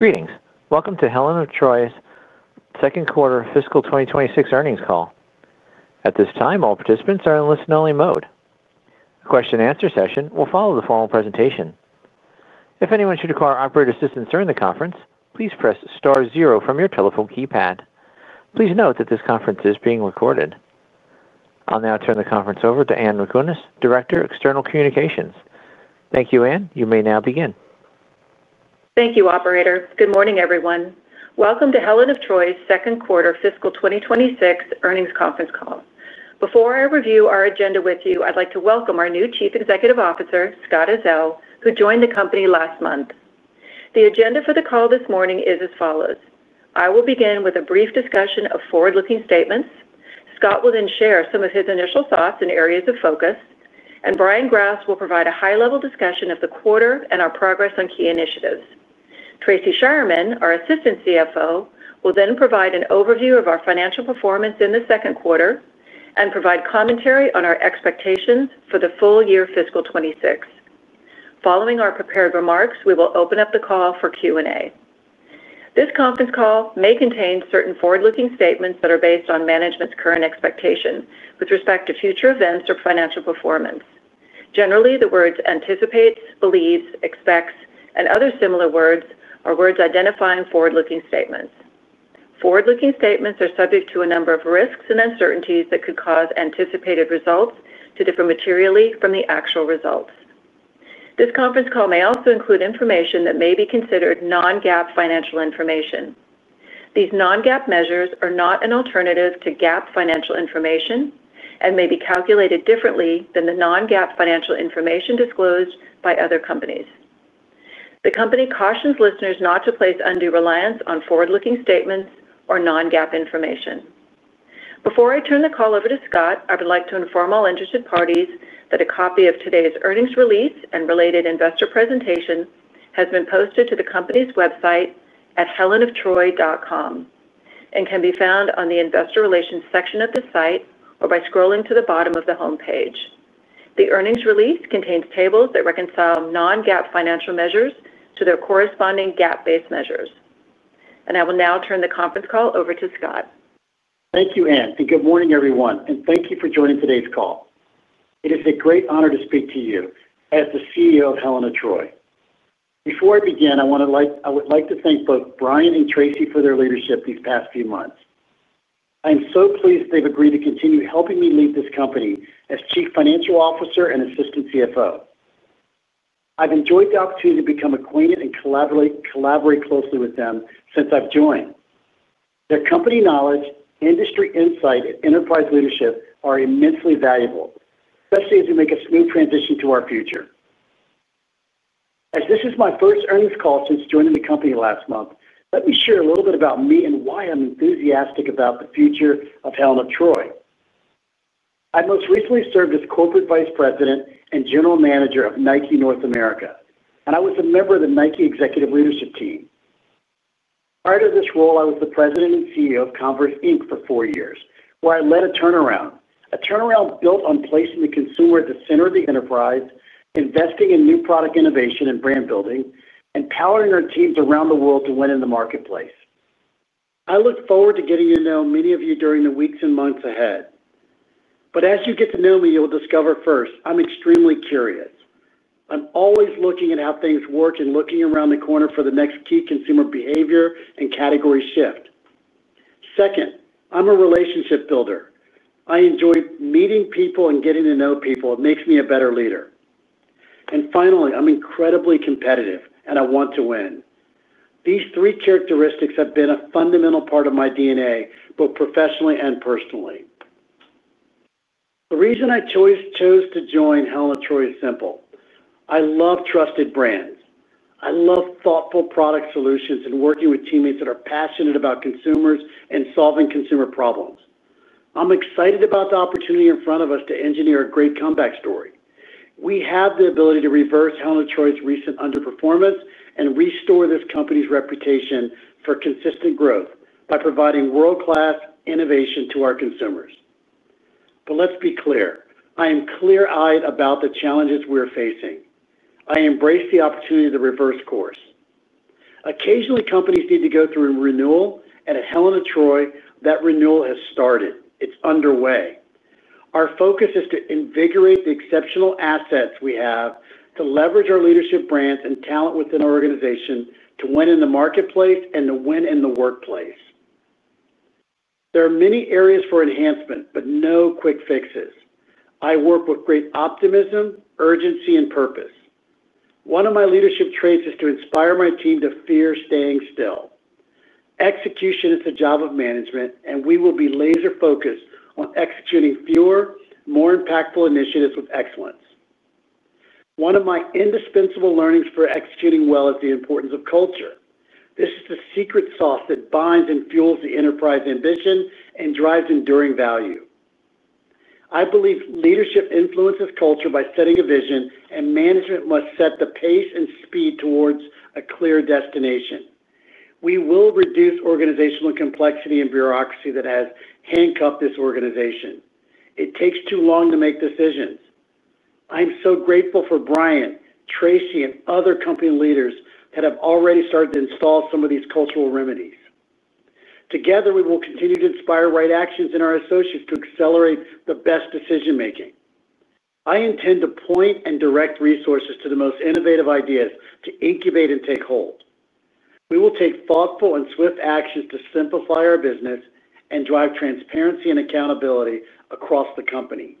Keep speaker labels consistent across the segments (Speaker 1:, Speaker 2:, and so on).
Speaker 1: Greetings. Welcome to Helen of Troy's Second Quarter Fiscal 2026 earnings call. At this time, all participants are in listen-only mode. The question and answer session will follow the formal presentation. If anyone should require operator assistance during the conference, please press 0 from your telephone keypad. Please note that this conference is being recorded. I'll now turn the conference over to Anne Rakunas, Director, External Communications. Thank you, Anne. You may now begin.
Speaker 2: Thank you, operator. Good morning everyone. Welcome to Helen of Troy's Second Quarter Fiscal 2026 earnings conference call. Before I review our agenda with you, I'd like to welcome our new Chief. Executive Officer Scott Uzzell, who joined the company last month. The agenda for the call this morning is as follows. I will begin with a brief discussion of forward-looking statements. Scott will then share some of his initial thoughts and areas of focus. Brian Grass will provide a high level. Discussion of the quarter and our progress on key initiatives. Tracy Schuerman, our Assistant Chief Financial Officer, will then provide an overview of our financial performance in the second quarter and provide commentary on our expectations for the full year fiscal 2026. Following our prepared remarks, we will open. Open the call for Q&A. This conference call may contain certain forward. Looking statements that are based on management's current expectation with respect to future events or financial performance generally. The words anticipates, believes, expects, and other similar words are words identifying forward looking statements. Forward looking statements are subject to a number of risks and uncertainties that could cause anticipated results to differ materially from the actual results. This conference call may also include information that may be considered non-GAAP financial information. These non-GAAP measures are not an alternative to GAAP financial information and may be calculated differently than the non-GAAP financial information disclosed by other companies. The Company cautions listeners not to place undue reliance on forward looking statements or non-GAAP information. Before I turn the call over to Scott, I would like to inform all interested parties that a copy of today's earnings release and related investor presentation has been posted to the company's website at helenoftroy.com and can be found on the Investor Relations section of the site or by scrolling to the bottom of the homepage. The earnings release contains tables that reconcile non-GAAP financial measures to their corresponding GAAP-based measures, and I will now. Turn the conference call over to Scott.
Speaker 3: Thank you, Anne, and good morning, everyone, and thank you for joining today's call. It is a great honor to speak to you as the CEO of Helen of Troy. Before I begin, I would like to thank both Brian and Tracy for their leadership these past few months. I am so pleased they've agreed to continue helping me lead this company as Chief Financial Officer and Assistant CFO. I've enjoyed the opportunity to become acquainted and collaborate closely with them since I've joined the company. Knowledge, industry insight, and enterprise leadership are immensely valuable, especially as we make a smooth transition to our future. As this is my first earnings call since joining the company last month, let me share a little bit about me and why I'm enthusiastic about the future of Helen of Troy. I most recently served as Corporate Vice President and General Manager of Nike North America, and I was a member of the Nike Executive Leadership Team. Prior to this role, I was the President and CEO of Converse Inc. for four years, where I led a turnaround. A turnaround built on placing the consumer at the center of the enterprise, investing in new product innovation and brand building, and powering our teams around the world to win in the marketplace. I look forward to getting to know many of you during the weeks and months ahead. As you get to know me, you will discover first, I'm extremely curious. I'm always looking at how things work and looking around the corner for the next key consumer behavior and category shift. Second, I'm a relationship builder. I enjoy meeting people and getting to know people. It makes me a better leader. Finally, I'm incredibly competitive and I want to win. These three characteristics have been a fundamental part of my DNA both professionally and personally. The reason I chose to join Helen of Troy is simple. I love trusted brands. I love thoughtful product solutions and working with teammates that are passionate about consumers and solving consumer problems. I'm excited about the opportunity in front of us to engineer a great comeback story. We have the ability to reverse Helen of Troy's recent underperformance and restore this company's reputation for consistent growth by providing world-class innovation to our consumers. Let's be clear. I am clear-eyed about the challenges we're facing. I embrace the opportunity to reverse course. Occasionally, companies need to go through renewal, and at Helen of Troy that renewal has started. It's underway. Our focus is to invigorate the exceptional assets we have to leverage our leadership, brands, and talent within our organization to win in the marketplace and to win in the workplace. There are many areas for enhancement, but no quick fixes. I work with great optimism, urgency, and purpose. One of my leadership traits is to inspire my team to fear staying still. Execution is a job of management, and we will be laser focused on executing fewer, more impactful initiatives with excellence. One of my indispensable learnings for executing well is the importance of culture. This is the secret sauce that binds and fuels the enterprise ambition and drives enduring value. I believe leadership influences culture by setting a vision, and management must set the pace and speed towards a clear destination. We will reduce organizational complexity and bureaucracy that has handcuffed this organization. It takes too long to make decisions. I'm so grateful for Brian, Tracy, and other company leaders that have already started to install some of these cultural remedies. Together, we will continue to inspire right actions in our associates to accelerate the best decision making. I intend to point and direct resources to the most innovative ideas to incubate and take hold. We will take thoughtful and swift actions to simplify our business and drive transparency and accountability across the company.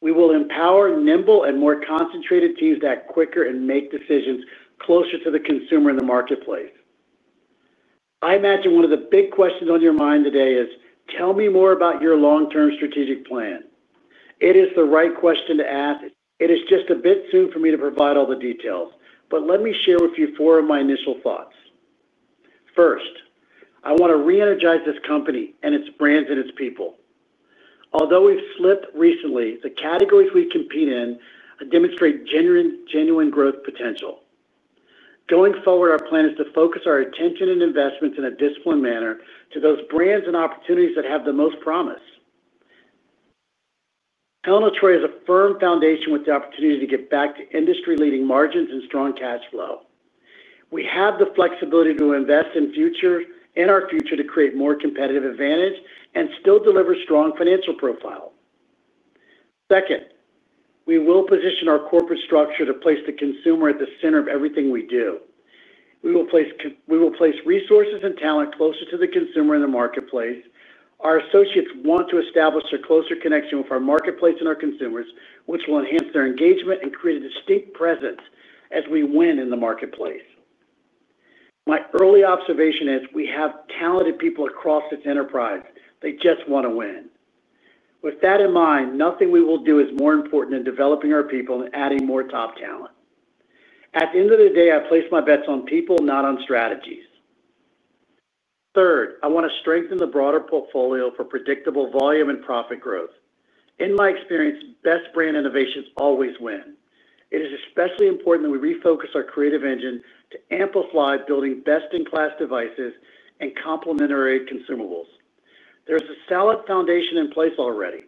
Speaker 3: We will empower nimble and more concentrated teams to act quicker and make decisions closer to the consumer in the marketplace. I imagine one of the big questions on your mind today is tell me more about your long term strategic plan. It is the right question to ask. It is just a bit soon for me to provide all the details, but let me share with you four of my initial thoughts. First, I want to re-energize this company and its brands and its people. Although we've slipped recently, the categories we compete in demonstrate genuine growth potential. Going forward, our plan is to focus our attention and investments in a disciplined manner to those brands and opportunities that have the most promise. Helen of Troy is a firm foundation with the opportunity to get back to industry leading margins and strong cash flow. We have the flexibility to invest in our future to create more competitive advantage and still deliver strong financial profile. Second, we will position our corporate structure to place the consumer at the center of everything we do. We will place resources and talent closer to the consumer in the marketplace. Our associates want to establish a closer connection with our marketplace and our consumers, which will enhance their engagement and create a distinct presence as we win in the marketplace. My early observation is we have talented people across this enterprise. They just want to win. With that in mind, nothing we will do is more important than developing our people and adding more top talent. At the end of the day, I place my bets on people, not on strategies. Third, I want to strengthen the broader portfolio for predictable volume and profit growth. In my experience, best brand innovations always win. It is especially important that we refocus our creative engine to amplify building best-in-class devices and complementary consumables. There's a solid foundation in place already.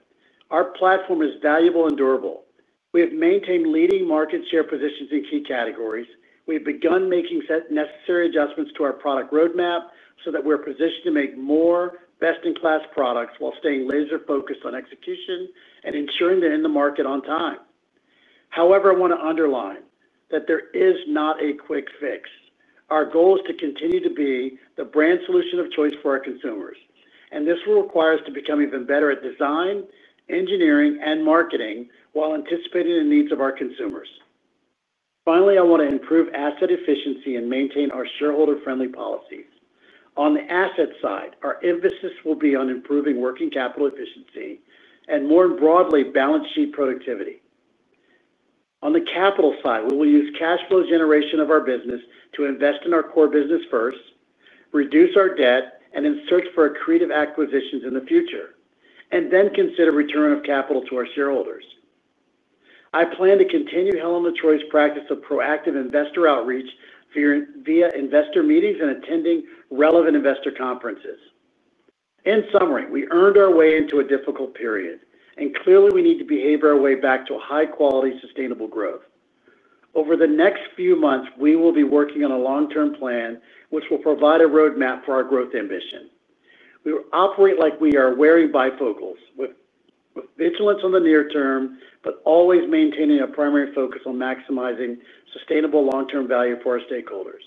Speaker 3: Our platform is valuable and durable. We have maintained leading market share positions in key categories. We have begun making necessary adjustments to our product roadmap so that we're positioned to make more best-in-class products while staying laser focused on execution and ensuring they're in the market on time. However, I want to underline that there is not a quick fix. Our goal is to continue to be the brand solution of choice for our consumers, and this will require us to become even better at design, engineering, and marketing while anticipating the needs of our consumers. Finally, I want to improve asset efficiency and maintain our shareholder-friendly policies. On the asset side, our emphasis will be on improving working capital efficiency and, more broadly, balance sheet productivity. On the capital side, we will use cash flow generation of our business to invest in our core business first, reduce our debt, and in search for accretive acquisitions in the future, and then consider return of capital to our shareholders. I plan to continue Helen of Troy's practice of proactive investor outreach via investor meetings and attending relevant investor conferences. In summary, we earned our way into a difficult period, and clearly we need to behave our way back to a high-quality, sustainable growth. Over the next few months, we will be working on a long-term plan which will provide a roadmap for our growth ambition. We operate like we are wearing bifocals, with vigilance on the near term, but always maintaining a primary focus on maximizing sustainable long-term value for our stakeholders.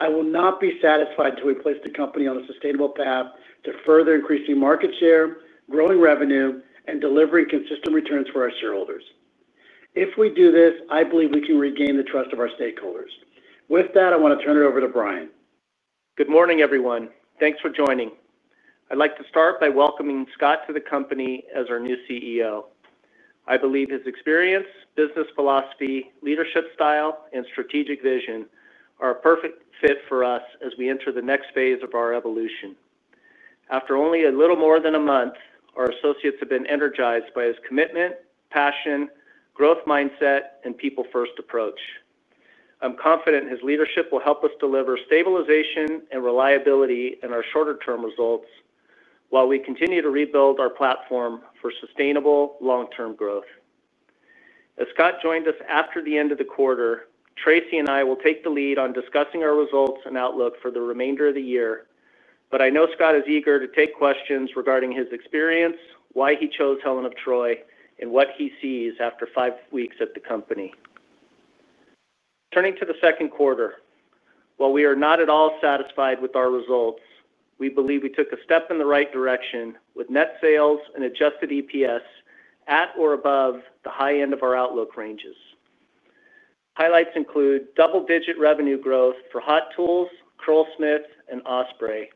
Speaker 3: I will not be satisfied until we place the company on a sustainable path to further increasing market share, growing revenue, and delivering consistent returns for our shareholders. If we do this, I believe we can regain the trust of our stakeholders. With that, I want to turn it over to Brian.
Speaker 4: Good morning everyone. Thanks for joining. I'd like to start by welcoming Scott to the company as our new CEO. I believe his experience, business philosophy, leadership style, and strategic vision are a perfect fit for us as we enter the next phase of our evolution. After only a little more than a month, our associates have been energized by his commitment, passion, growth mindset, and people first approach. I'm confident his leadership will help us deliver stabilization and reliability in our shorter term results while we continue to rebuild our platform for sustainable long term growth. As Scott joined us after the end of the quarter, Tracy and I will take the lead on discussing our results and outlook for the remainder of the year. I know Scott is eager to take questions regarding his experience, why he chose Helen of Troy, and what he sees after five weeks at the company. Turning to the second quarter, while we are not at all satisfied with our results, we believe we took a step in the right direction with net sales and adjusted EPS at or above the high end of our outlook ranges. Highlights include double digit revenue growth for Hot Tools, Curlsmith, and Osprey,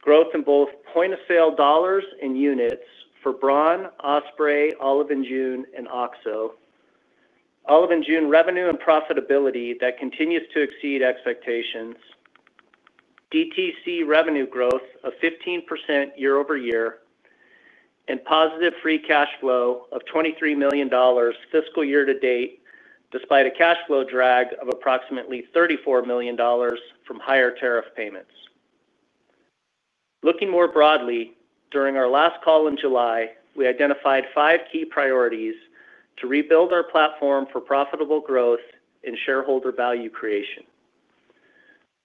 Speaker 4: growth in both point of sale dollars and units for Braun, Osprey, Olive & June, and OXO, Olive & June revenue and profitability that continues to exceed expectations, DTC revenue growth of 15% year-over-year, and positive free cash flow of $23 million fiscal year to date despite a cash flow drag of approximately $34 million from higher tariff payments. Looking more broadly, during our last call in July we identified five key priorities to rebuild our platform for profitable growth and shareholder value creation: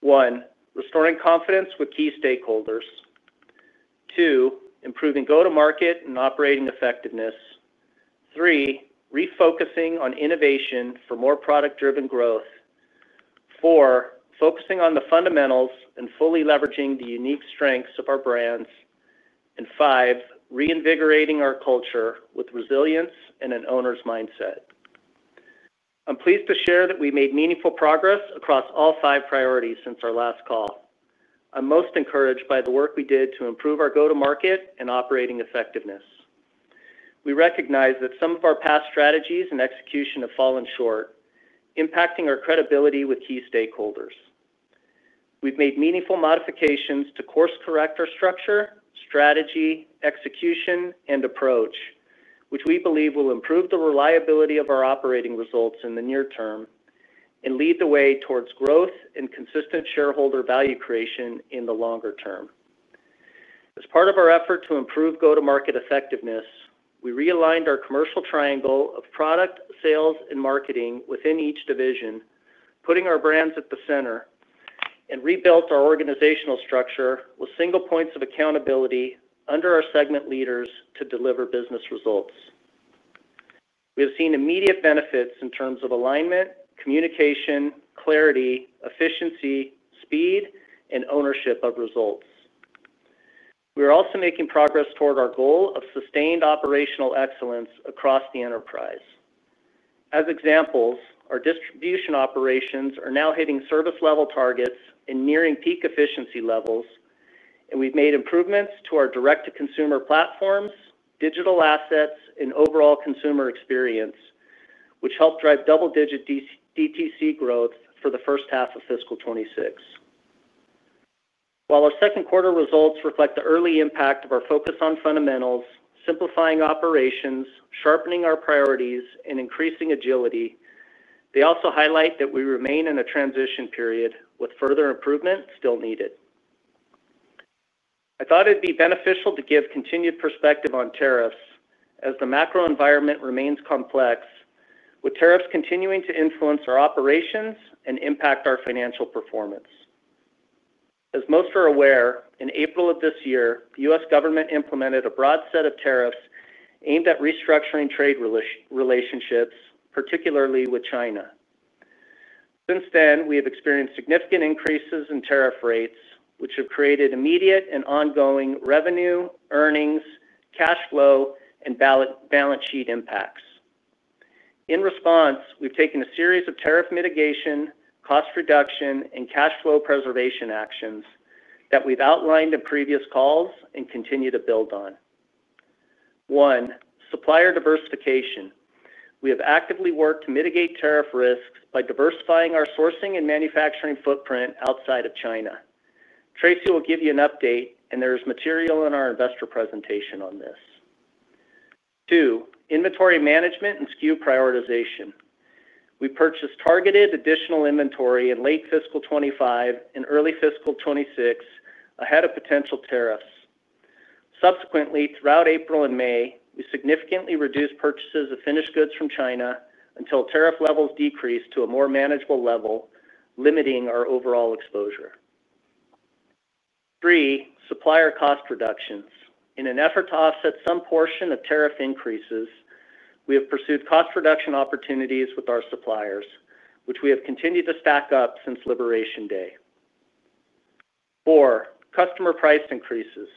Speaker 4: 1. restoring confidence with key stakeholders, 2. improving go to market and operating effectiveness, 3. refocusing on innovation for more product driven growth, 4. focusing on the fundamentals and fully leveraging the unique strengths of our brands, and 5. reinvigorating our culture with resilience and an owner's mindset. I'm pleased to share that we made meaningful progress across all five priorities since our last call. I'm most encouraged by the work we did to improve our go to market and operating effectiveness. We recognize that some of our past strategies and execution have fallen short, impacting our credibility with key stakeholders. We've made meaningful modifications to course correct our structure, strategy, execution, and approach, which we believe will improve the reliability of our operating results in the near term and lead the way towards growth and consistent shareholder value creation in the longer term. As part of our effort to improve go-to-market effectiveness, we realigned our commercial triangle of product, sales, and marketing within each division, putting our brands at the center and rebuilt our organizational structure with single points of accountability under our segment leaders to deliver business results. We have seen immediate benefits in terms of alignment, communication, clarity, efficiency, speed, and ownership of results. We are also making progress toward our goal of sustained operational excellence across the enterprise. As examples, our distribution operations are now hitting service level targets and nearing peak efficiency levels, and we've made improvements to our direct-to-consumer platforms, digital assets, and overall consumer experience, which helped drive double-digit DTC growth for the first half of fiscal 2026. While our second quarter results reflect the early impact of our focus on fundamentals, simplifying operations, sharpening our priorities, and increasing agility, they also highlight that we remain in a transition period with further improvement still needed. I thought it'd be beneficial to give continued perspective on tariffs as the micro environment remains complex with tariffs continuing to influence our operations and impact our financial performance. As most are aware, in April of this year, the U.S. Government implemented a broad set of tariffs aimed at restructuring trade relationships, particularly with China. Since then, we have experienced significant increases in tariff rates, which have created immediate and ongoing revenue, earnings, cash flow, and balance sheet impacts. In response, we've taken a series of tariff mitigation, cost reduction, and cash flow preservation actions that we've outlined in previous calls and continue to build on. 1. Supplier diversification: we have actively worked to mitigate tariff risks by diversifying our sourcing and manufacturing footprint outside of China. Tracy will give you an update, and there is material in our investor presentation on this. 2. Inventory management and SKU prioritization: we purchased targeted additional inventory in late fiscal 2025 and early fiscal 2026 ahead of potential tariffs. Subsequently, throughout April and May, we significantly reduce purchases of finished goods from China until tariff levels decreased to a more manageable level, limiting our overall exposure. 3. Supplier cost reductions in an effort to offset some portion of tariff increases, we have pursued cost reduction opportunities with our suppliers, which we have continued to stack up since Liberation Day. 4. Customer price increases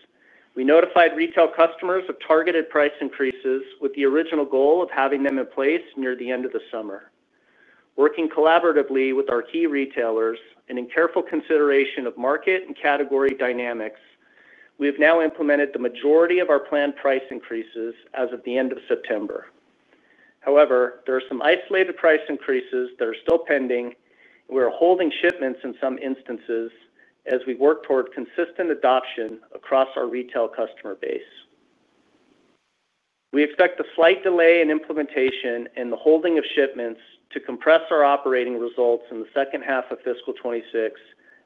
Speaker 4: we notified retail customers of targeted price increases with the original goal of having them in place near the end of the summer. Working collaboratively with our key retailers and in careful consideration of market and category dynamics, we have now implemented the majority of our planned price increases as of the end of September. However, there are some isolated price increases that are still pending. We are holding shipments in some instances as we work toward consistent adoption across our retail customer base. We expect a slight delay in implementation in the holding of shipments to compress our operating results in the second half of fiscal 2026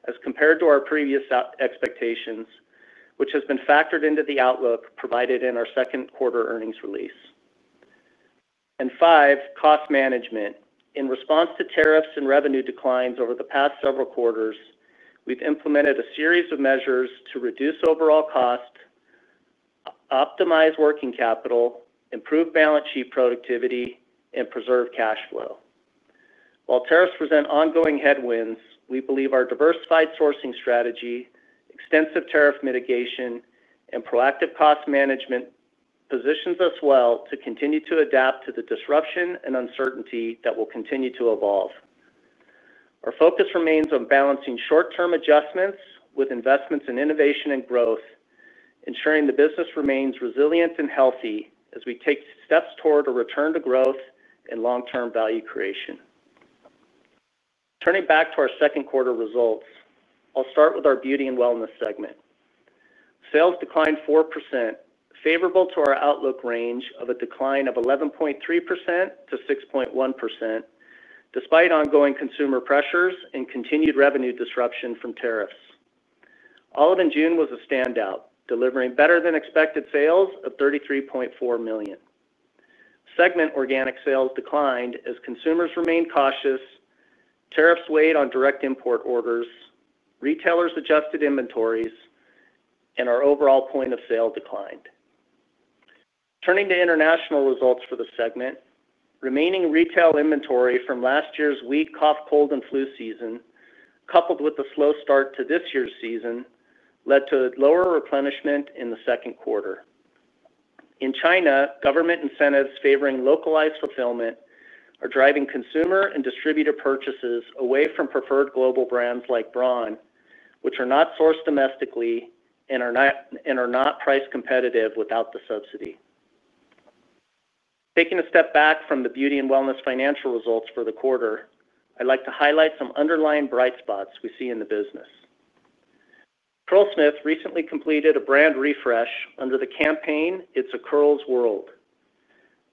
Speaker 4: as compared to our previous expectations, which has been factored into the outlook provided in our second quarter earnings release and 5. Cost management in response to tariffs and revenue declines over the past several quarters, we've implemented a series of measures to reduce overall cost, optimize working capital, improve balance sheet productivity, and preserve cash flow. While tariffs present ongoing headwinds, we believe our diversified sourcing strategy, extensive tariff mitigation, and proactive cost management positions us well to continue to adapt to the disruption and uncertainty that will continue to evolve. Our focus remains on balancing short term adjustments with investments in innovation and growth, ensuring the business remains resilient and healthy as we take steps toward a return to growth and long term value creation. Turning back to our second quarter results, start with our Beauty and Wellness segment. Sales declined 4%, favorable to our outlook range of a decline of 11.3% to 6.1%. Despite ongoing consumer pressures and continued revenue disruption from tariffs, Olive & June was a standout delivering better than expected sales of $33.4 million. Segment organic sales declined as consumers remained cautious, tariffs weighed on direct import orders, retailers adjusted inventories, and our overall point of sale declined. Turning to international results for the segment, remaining retail inventory from last year's weak cough, cold and flu season, coupled with the slow start to this year's season, led to lower replenishment in the second quarter. In China, government incentives favoring localized fulfillment are driving consumer and distributor purchases away from preferred global brands like Braun, which are not sourced domestically and are not price competitive without the subsidy. Taking a step back from the beauty and wellness financial results for the quarter, I'd like to highlight some underlying bright spots we see in the business. Curlsmith recently completed a brand refresh under the campaign It's a Curls World.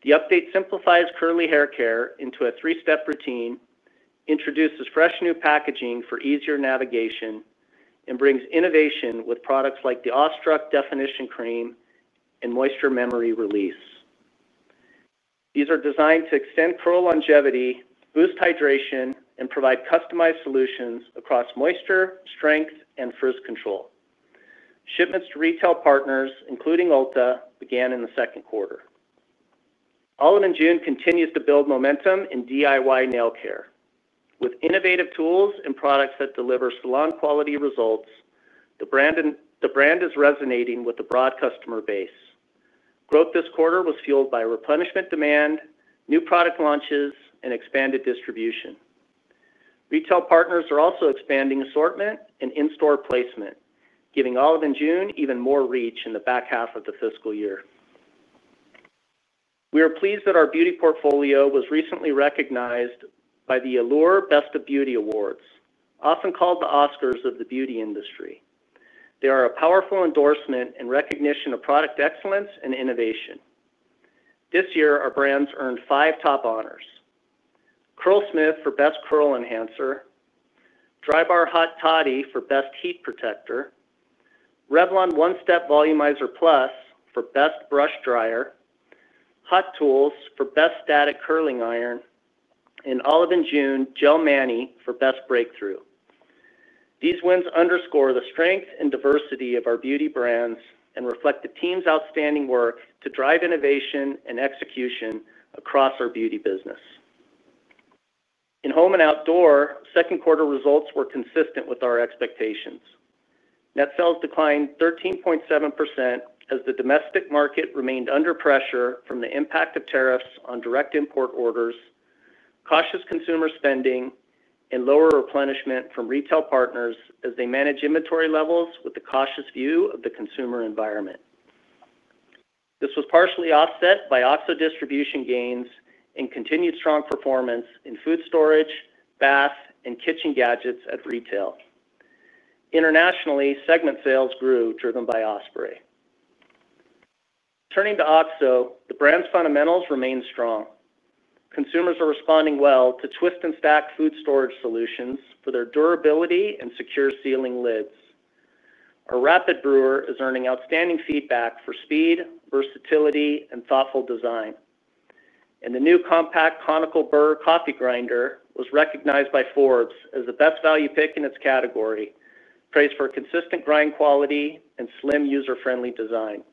Speaker 4: The update simplifies curly hair care into a three-step routine, introduces fresh new packaging for easier navigation, and brings innovation with products like the Awestruck Definition Cream and Moisture Memory Release. These are designed to extend curl longevity, boost hydration, and provide customized solutions across moisture, strength, and frizz control. Shipments to retail partners including Ulta began in the second quarter. Olive & June continues to build momentum in DIY nail care with innovative tools and products that deliver salon-quality results. The brand is resonating with the broad customer base. Growth this quarter was fueled by replenishment demand, new product launches, and expanded distribution. Retail partners are also expanding assortment and in-store placement, giving Olive & June even more reach in the back half of the fiscal year. We are pleased that our beauty portfolio was recently recognized by the Allure Best of Beauty Awards. Often called the Oscars of the beauty industry, they are a powerful endorsement and recognition of product excellence and innovation. This year our brands earned five top honors: Curlsmith for Best Curl Enhancer, Drybar Hot Toddy for Best Heat Protector, Revlon One Step Volumizer Plus for Best Brush Dryer, Hot Tools for Best Static Curling Iron, and Olive & June Gel Mani for Best Breakthrough. These wins underscore the strength and diversity of our beauty brands and reflect the team's outstanding work to drive innovation and execution across our beauty business in home and outdoor. Second quarter results were consistent with our expectations. Net sales declined 13.7% as the domestic market remained under pressure from the impact of tariffs on direct import orders, cautious consumer spending, and lower replenishment from retail partners as they manage inventory levels with the cautious view of the consumer environment. This was partially offset by OXO distribution gains and continued strong performance in food storage, bath, and kitchen gadgets at retail. Internationally, segment sales grew driven by Osprey. Turning to OXO, the brand's fundamentals remain strong. Consumers are responding well to Twist and Stack food storage solutions for their durability and secure sealing lids. Our Rapid Brewer is earning outstanding feedback for speed, versatility, and thoughtful design, and the new compact Conical Burr Coffee Grinder was recognized by Forbes as the best value pick in its category, praised for consistent grind quality and slim, user-friendly design.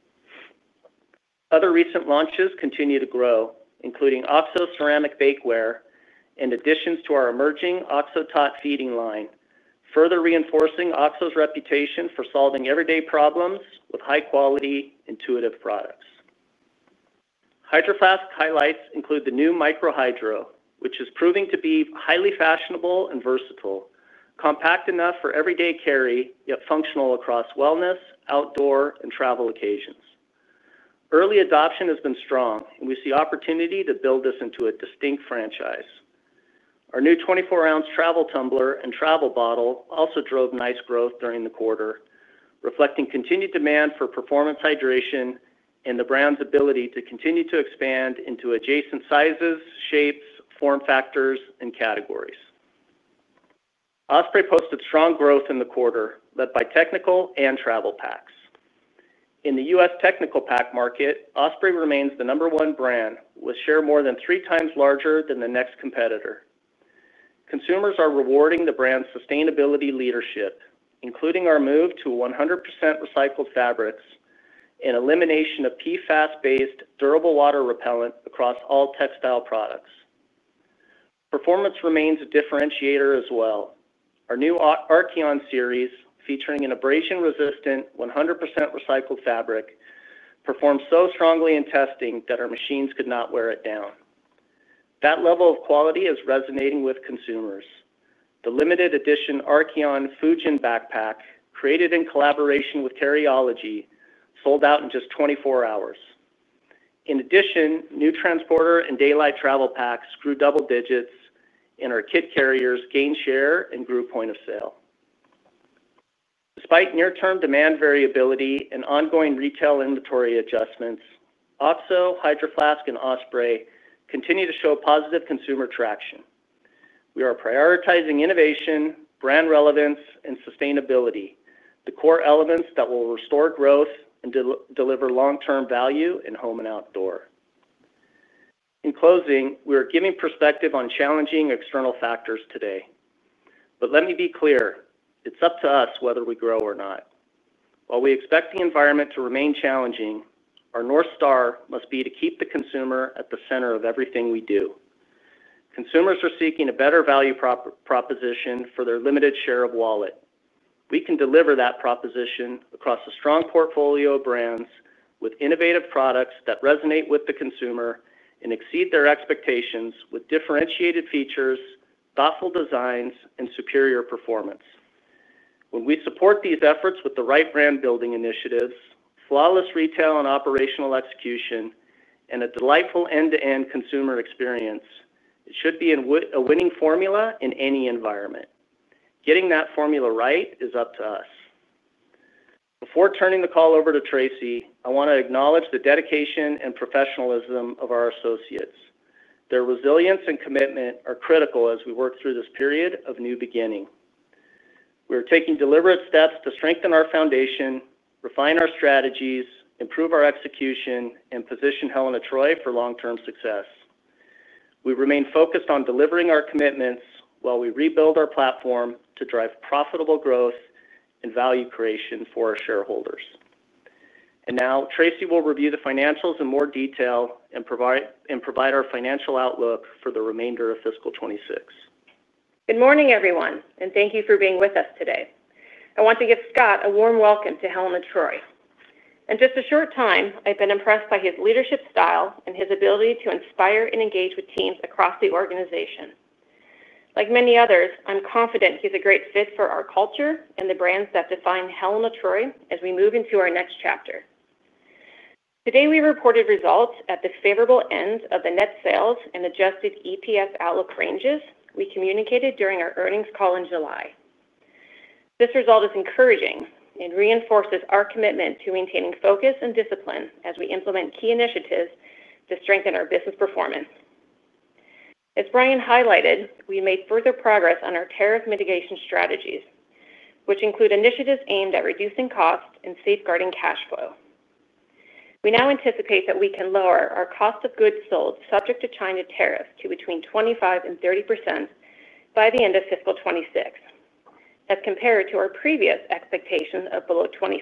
Speaker 4: Other recent launches continue to grow, including OXO Ceramic Bakeware in addition to our emerging OXO Tot feeding line, further reinforcing OXO's reputation for solving everyday problems with high-quality, intuitive products. Hydro Flask highlights include the new Micro Hydro, which is proving to be highly fashionable and versatile, compact enough for everyday carry, yet functional across wellness, outdoor, and travel occasions. Early adoption has been strong. We see opportunity to build this into a distinct franchise. Our new 24-ounce Travel Tumbler and Travel Bottle also drove nice growth during the quarter, reflecting continued demand for performance, hydration, and the brand's ability to continue to expand into adjacent sizes, shapes, form factors, and categories. Osprey posted strong growth in the quarter led by technical and travel packs. In the U.S. technical pack market, Osprey remains the number one brand with share more than three times larger than the next competitor. Consumers are rewarding the brand's sustainability leadership, including our move to 100% recycled fabrics and elimination of PFAS-based durable water repellent across all textile products. Performance remains a differentiator as well. Our new Archeon series featuring an abrasion-resistant 100% recycled fabric performed so strongly in testing that our machines could not wear it down. That level of quality is resonating with consumers. The limited edition Archeon Fujin backpack, created in collaboration with Tereology, sold out in just 24 hours. In addition, new transporter and Daylite travel packs grew double digits and our kit carriers gained share and grew point of sale. Despite near-term demand variability and ongoing retail inventory adjustments, OXO, Hydro Flask, and Osprey continue to show positive consumer traction. We are prioritizing innovation, brand relevance, and sustainability, the core elements that will restore growth and deliver long-term value in Home and Outdoor. In closing, we are giving perspective on challenging external factors today. Let me be clear, it's up to us whether we grow or not. While we expect the environment to remain challenging, our North Star must be to keep the consumer at the center of everything we do. Consumers are seeking a better value proposition for their limited share of wallet. We can deliver that proposition across a strong portfolio of brands with innovative products that resonate with the consumer and exceed their expectations with differentiated features, thoughtful designs, and superior performance. When we support these efforts with the right brand-building initiatives, flawless retail and operational execution, and a delightful end-to-end consumer experience, it should be a winning formula in any environment. Getting that formula right is up to us. Before turning the call over to Tracy, I want to acknowledge the dedication and professionalism of our associates. Their resilience and commitment are critical as we work through this period of new beginning. We are taking deliberate steps to strengthen our foundation, refine our strategies, improve our execution, and position Helen of Troy for long-term success. We remain focused on delivering our commitments while we rebuild our platform to drive profitable growth and value creation for our shareholders. Now Tracy will review the financials in more detail and provide our financial outlook for the remainder of fiscal 2026.
Speaker 5: Good morning everyone and thank you for being with us today. I want to give Scott a warm welcome to Helen of Troy. In just a short time, I've been impressed by his leadership style and his ability to inspire and engage with teams across the organization. Like many others, I'm confident he's a great fit for our culture and the brands that define Helen of Troy. As we move into our next chapter, today we reported results at the favorable end of the net sales and adjusted EPS outlook ranges we communicated during our earnings call in July. This result is encouraging and reinforces our commitment to maintaining focus and discipline as we implement key initiatives to strengthen our business performance. As Brian highlighted, we made further progress on our tariff mitigation strategies, which include initiatives aimed at reducing cost and safeguarding cash flow. We now anticipate that we can lower our cost of goods sold subject to China tariff to between 25% and 30% by the end of fiscal 2026 as compared to our previous expectation of below 25%.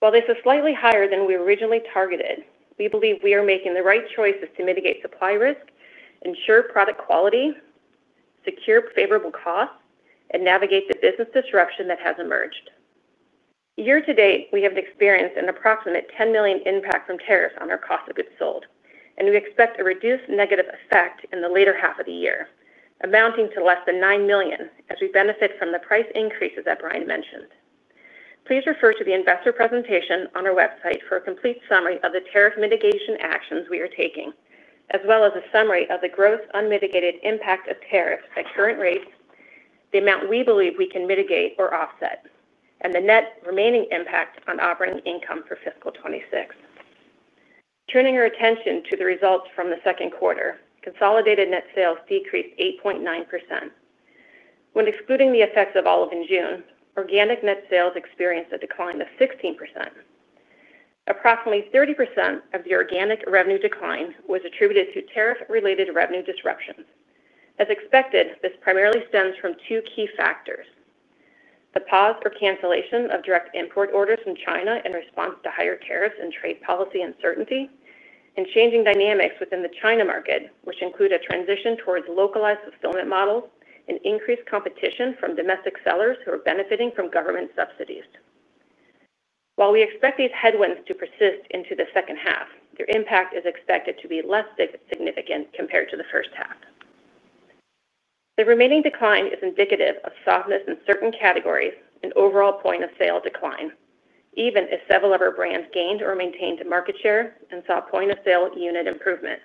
Speaker 5: While this is slightly higher than we originally targeted, we believe we are making the right choices to mitigate supply risk, ensure product quality, secure favorable costs, and navigate the business disruption that has emerged. Year to date, we have experienced an approximate $10 million impact from tariffs on our cost of goods sold and we expect a reduced negative effect in the later half of the year amounting to less than $9 million as we benefit from the price increases that Brian mentioned. Please refer to the investor presentation on our website for a complete summary of the tariff mitigation actions we are taking, as well as a summary of the gross unmitigated impact of tariffs at current rates, the amount we believe we can mitigate or offset, and the net remaining impact on operating income for fiscal 2026. Turning our attention to the results from the second quarter, consolidated net sales decreased 8.9%. When excluding the effects of Olive & June, organic net sales experienced a decline of 16%. Approximately 30% of the organic revenue decline was attributed to tariff-related revenue disruptions. As expected, this primarily stems from two key factors, the pause or cancellation of direct import orders from China in response to higher tariffs and trade policy uncertainty, and changing dynamics within the China market, which include a transition towards localized fulfillment models and increased competition from domestic sellers who are benefiting from government subsidies. While we expect these headwinds to persist into the second half, their impact is expected to be less significant compared to the first half. The remaining decline is indicative of softness in certain categories and overall point of sale decline. Even if several of our brands gained or maintained market share and saw point of sale unit improvement,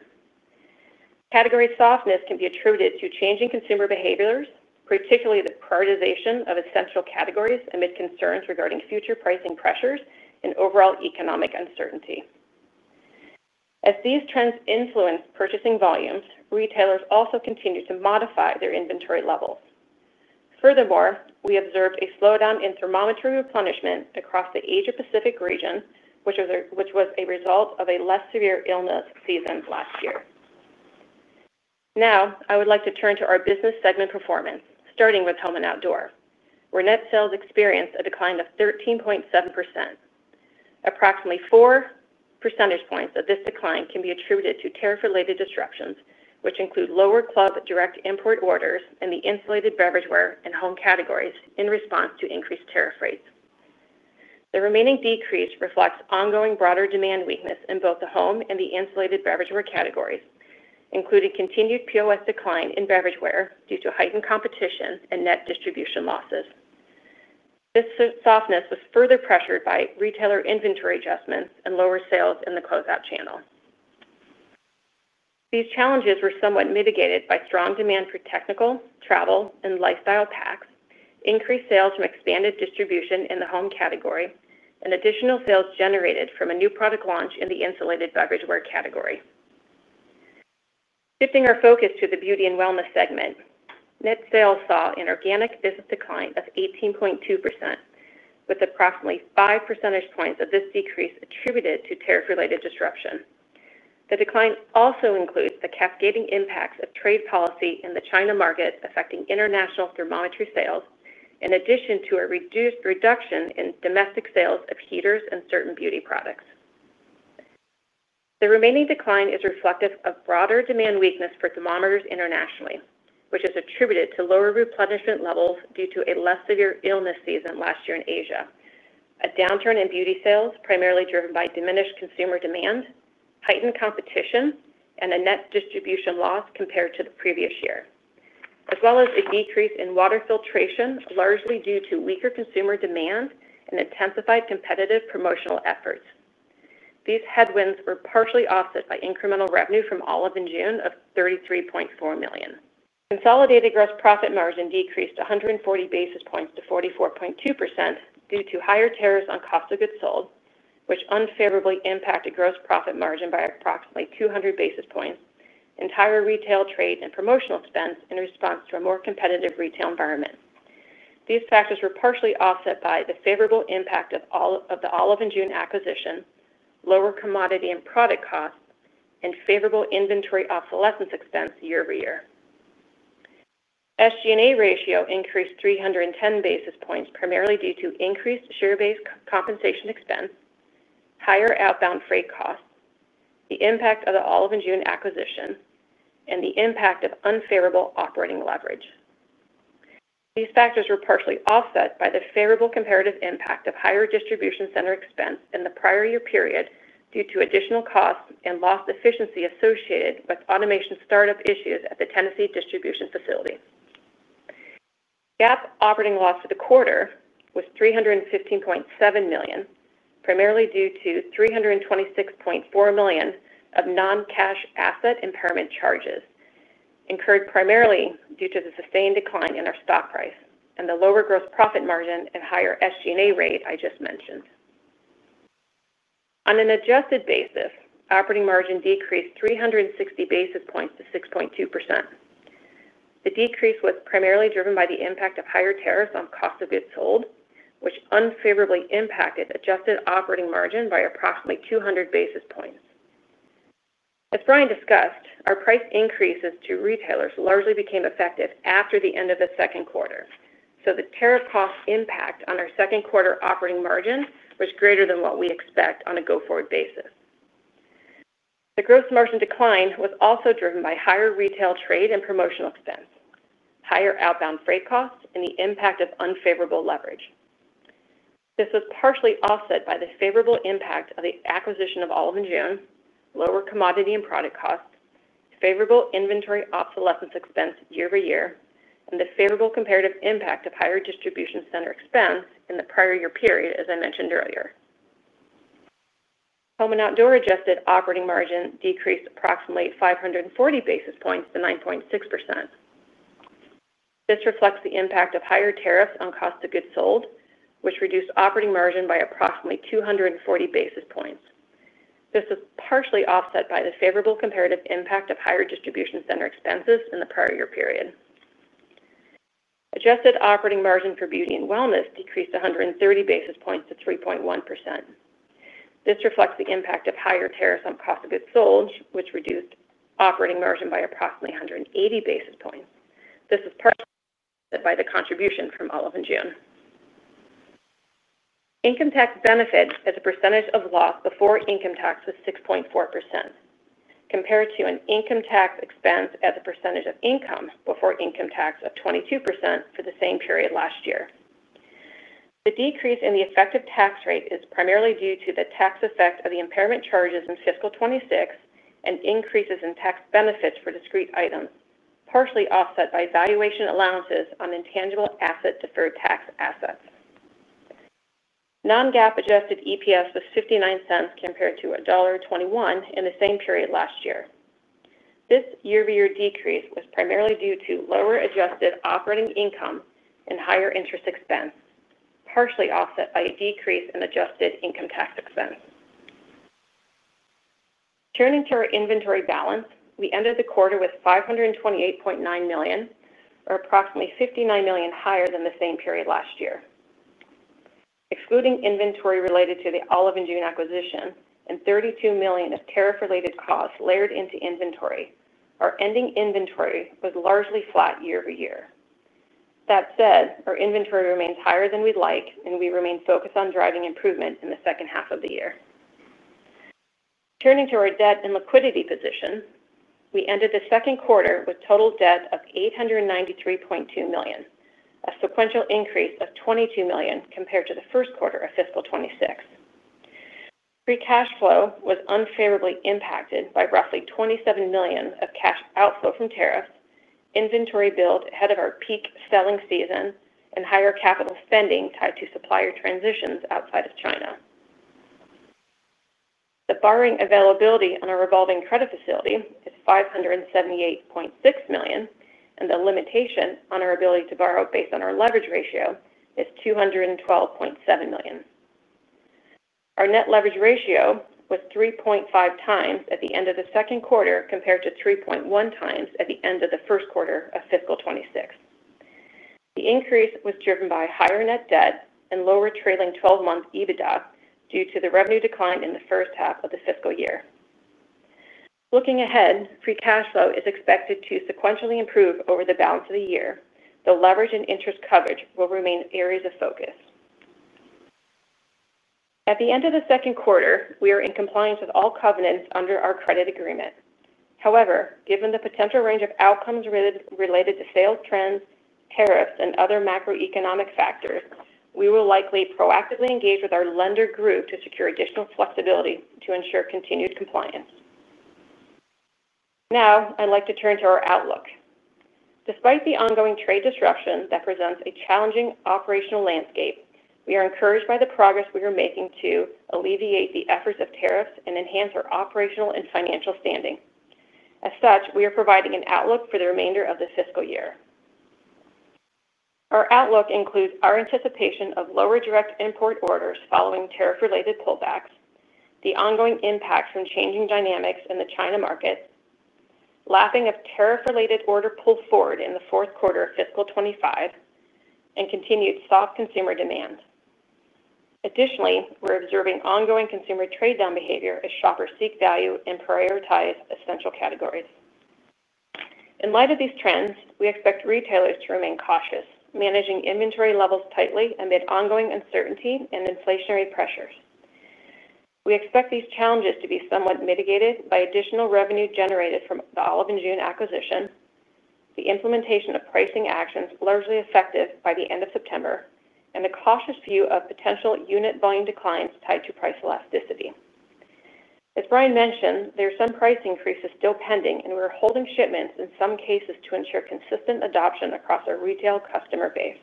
Speaker 5: category softness can be attributed to changing consumer behaviors, particularly the prioritization of essential categories amid concerns regarding future pricing pressures and overall economic uncertainty. As these trends influenced purchasing volumes, retailers also continued to modify their inventory levels. Furthermore, we observed a slowdown in thermometer replenishment across the Asia Pacific region, which was a result of a less severe illness season last year. Now I would like to turn to our business segment performance, starting with Home and Outdoor, where net sales experienced a decline of 13.7%. Approximately 4 percentage points of this decline can be attributed to tariff-related disruptions, which include lower club direct import orders in the insulated beverageware and home categories in response to increased tariff rates. The remaining decrease reflects ongoing broader demand weakness in both the home and the insulated beverageware categories, including continued POS decline in beverageware due to heightened competition and net distribution losses. This softness was further pressured by retailer inventory adjustments and lower sales in the closeout channel. These challenges were somewhat mitigated by strong demand for technical travel and lifestyle packs, increased sales from expanded distribution in the home category, and additional sales generated from a new product launch in the insulated beverageware category. Shifting our focus to the Beauty and Wellness segment, net sales saw an organic business decline of 18.2%, with approximately five percentage points of this decrease attributed to tariff-related disruption. The decline also includes the cascading impacts of trade policy in the China market affecting international thermometry sales in addition to a reduction in domestic sales of heaters and certain beauty products. The remaining decline is reflective of broader demand weakness for thermometers internationally, which is attributed to lower replenishment levels due to a less severe illness season last year in Asia, a downturn in beauty sales primarily driven by diminished consumer demand, heightened competition, and a net distribution loss compared to the previous year, as well as a decrease in water filtration largely due to weaker consumer demand and intensified competitive promotional efforts. These headwinds were partially offset by incremental revenue from Olive & June of $33.4 million. Consolidated gross profit margin decreased 140 basis points to 44.2% due to higher tariffs on cost of goods sold, which unfavorably impacted gross profit margin by approximately 200 basis points, and higher retail trade and promotional expense in response to a more competitive retail environment. These factors were partially offset by the favorable impact of the Olive & June acquisition, lower commodity and product costs, and favorable inventory obsolescence expense year over year. SG&A ratio increased 310 basis points primarily due to increased share-based compensation expense, higher outbound freight costs, the impact of the Olive & June acquisition, and the impact of unfavorable operating leverage. These factors were partially offset by the favorable comparative impact of higher distribution center expense in the prior year period due to additional costs and loss efficiency associated with automation startup issues at the Tennessee Distribution Facility. GAAP operating loss for the quarter was $315.7 million, primarily due to $326.4 million of non-cash asset impairment charges incurred primarily due to the sustained decline in our stock price and the lower gross profit margin and higher SG&A rate I just mentioned. On an adjusted basis, operating margin decreased 360 basis points to 6.2%. The decrease was primarily driven by the impact of higher tariffs on cost of goods sold, which unfavorably impacted adjusted operating margin by approximately 200 basis points. As Brian Grass discussed, our price increases to retailers largely became effective after the end of the second quarter, so the tariff cost impact on our second quarter operating margin was greater than what we expect on a go forward basis. The gross margin decline was also driven by higher retail trade and promotional expense, higher outbound freight costs, and the impact of unfavorable leverage. This was partially offset by the favorable impact of the acquisition of Olive & June, lower commodity and product cost, favorable inventory obsolescence expense year-over-year, and the favorable comparative impact of higher distribution center expense in the prior year period. As I mentioned earlier, Home and Outdoor adjusted operating margin decreased approximately 540 basis points to 9.6%. This reflects the impact of higher tariffs on cost of goods sold, which reduced operating margin by approximately 240 basis points. This was partially offset by the favorable comparative impact of higher distribution center expenses in the prior year period. Adjusted operating margin for Beauty and Wellness decreased 130 basis points to 3.1%. This reflects the impact of higher tariffs on cost of goods sold, which reduced operating margin by approximately 180 basis points. This is partly by the contribution from Olive & June. Income tax benefit as a percentage of loss before income tax was 6.4% compared to an income tax expense as a percentage of income before income tax of 22% for the same period last year. The decrease in the effective tax rate is primarily due to the tax effect of the impairment charges in fiscal 2026 and increases in tax benefits for discrete items, partially offset by valuation allowances on intangible asset deferred tax assets. Non-GAAP adjusted EPS was $0.59 compared to $1.21 in the same period last year. This year-over-year decrease was primarily due to lower adjusted operating income and higher interest expense, partially offset by a decrease in adjusted income tax expense. Turning to our inventory balance, we ended the quarter with $528.9 million, or approximately $59 million higher than the same period last year. Excluding inventory related to the Olive & June acquisition and $32 million of tariff-related costs layered into inventory, our ending inventory was largely flat year-over-year. That said, our inventory remains higher than we'd like, and we remain focused on driving improvement in the second half of the year. Turning to our debt and liquidity position, we ended the second quarter with total debt of $893.2 million, a sequential increase of $22 million compared to the first quarter of fiscal 2026. Free cash flow was unfavorably impacted by roughly $27 million of cash outflow from tariffs, inventory build ahead of our peak selling season, and higher capital spending tied to supplier transitions outside of China. The borrowing availability on our revolving credit facility is $578.6 million, and the limitation on our ability to borrow based on our leverage ratio is $212.7 million. Our net leverage ratio was 3.5x at the end of the second quarter compared to 3.1x at the end of the first quarter of fiscal 2026. The increase was driven by higher net debt and lower trailing twelve month EBITDA due to the revenue decline in the first half of the fiscal year. Looking ahead, free cash flow is expected to sequentially improve over the balance of the year. The leverage and interest coverage will remain areas of focus at the end of the second quarter. We are in compliance with all covenants under our credit agreement. However, given the potential range of outcomes related to sales trends, tariffs, and other macroeconomic factors, we will likely proactively engage with our lender group to secure additional flexibility to ensure continued compliance. Now I'd like to turn to our outlook. Despite the ongoing trade disruption that presents a challenging operational landscape, we are encouraged by the progress we are making to alleviate the effects of tariffs and enhance our operational and financial standing. As such, we are providing an outlook for the remainder of the fiscal year. Our outlook includes our anticipation of lower direct import orders following tariff-related pullbacks, the ongoing impact from changing dynamics in the China market, lapping of tariff-related order pull forward in the fourth quarter of fiscal 2025, and continued soft consumer demand. Additionally, we're observing ongoing consumer trade down behavior as shoppers seek value and prioritize essential categories. In light of these trends, we expect retailers to remain cautious, managing inventory levels tightly amid ongoing uncertainty and inflationary pressures. We expect these challenges to be somewhat mitigated by additional revenue generated from the Olive & June acquisition, the implementation of pricing actions largely effective by the end of September, and the cautious view of potential unit volume declines tied to price elasticity. As Brian mentioned, there are some price increases still pending and we're holding shipments in some cases to ensure consistent adoption across our retail customer base.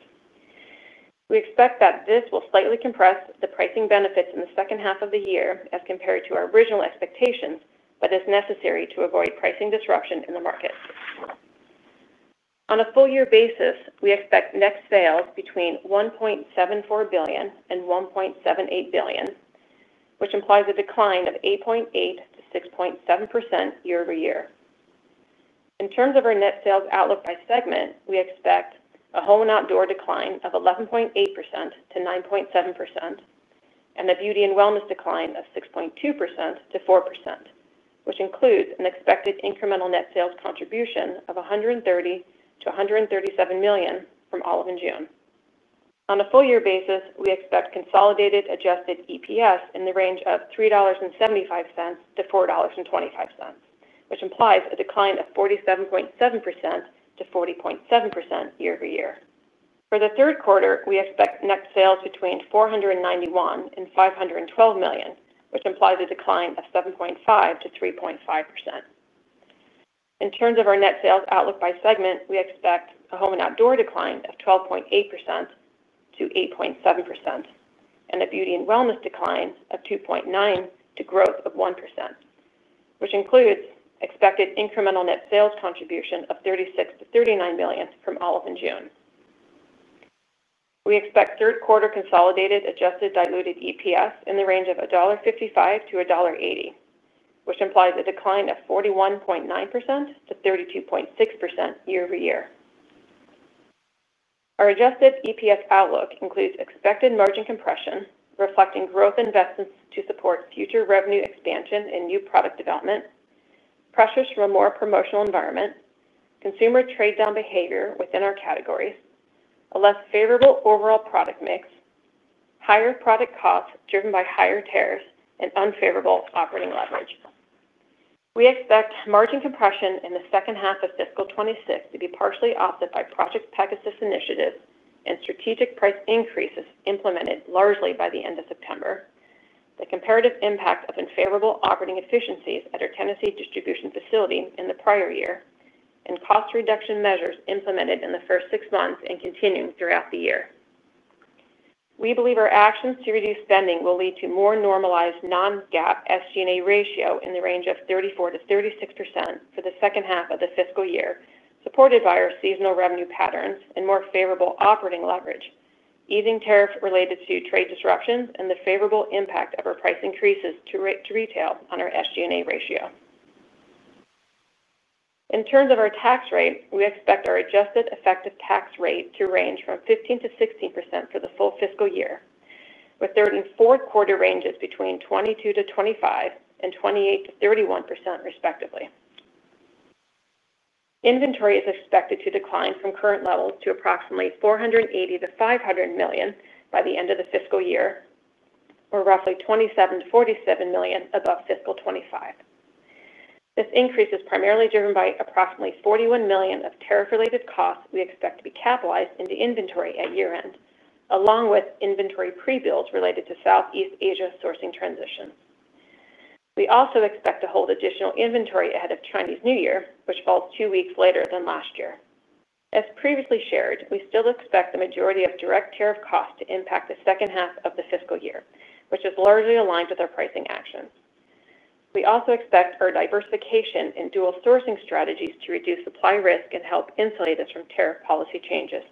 Speaker 5: We expect that this will slightly compress the pricing benefits in the second half of the year as compared to our original expectations, but is necessary to avoid pricing disruption in the market. On a full year basis, we expect net sales between $1.74 billion and $1.78 billion, which implies a decline of 8.8% to 6.7% year-over-year. In terms of our net sales outlook by segment, we expect a Home and Outdoor decline of 11.8% to 9.7% and a Beauty and Wellness decline of 6.2% to 4%, which includes an expected incremental net sales contribution of $130 million - $137 million from Olive & June. On a full year basis, we expect consolidated adjusted EPS in the range of $3.75 - $4.25, which implies a decline of 47.7% to 40.7% year-over-year. For the third quarter, we expect net sales between $491 million and $512 million, which implies a decline of 7.5% to 3.5%. In terms of our net sales outlook by segment, we expect a Home and Outdoor decline of 12.8% to 8.7% and a Beauty and Wellness decline of 2.9% to growth of 1%, which includes expected incremental net sales contribution of $36 million - $39 million from Olive & June. We expect third quarter consolidated adjusted diluted EPS in the range of $1.55 - $1.80, which implies a decline of 41.9% to 32.6% year-over- year. Our adjusted EPS outlook includes expected margin compression reflecting growth investments to support future revenue expansion and new product development, pressures from a more promotional environment, consumer trade down behavior within our categories, a less favorable overall product mix, higher product costs driven by higher tariffs, and unfavorable operating leverage cuts. We expect margin compression in the second half of fiscal 2026 to be partially offset by Project Pegasus initiatives and strategic price increases implemented largely by the end of September, the comparative impact of unfavorable operating efficiencies at our Tennessee distribution facility in the prior year, and cost reduction measures implemented in the first six months and continuing throughout the year. We believe our actions to reduce spending will lead to more normalized non-GAAP SG&A ratio in the range of 34% - 36% for the second half of the fiscal year, supported by our seasonal revenue patterns and more favorable operating leverage, easing tariff-related trade disruptions, and the favorable impact of our price increases to retail on our SG&A ratio. In terms of our tax rate, we expect our adjusted effective tax rate to range from 15% - 16% for the full fiscal year, with Q3 and Q4 ranges between 22% - 25% and 28% - 31%, respectively. Inventory is expected to decline from current levels to approximately $480 million - $500 million by the end of the fiscal year, or roughly $27 million - $47 million above fiscal 2025. This increase is primarily driven by approximately $41 million of tariff-related costs. We expect this to be capitalized into inventory at year end along with inventory pre-builds related to Southeast Asia sourcing transition. We also expect to hold additional inventory ahead of Chinese New Year, which falls two weeks later than last year. As previously shared, we still expect the majority of direct tariff costs to impact the second half of the fiscal year, which is largely aligned with our pricing actions. We also expect our diversification and dual sourcing strategies to reduce supply risk and help insulate us from tariff policy changes.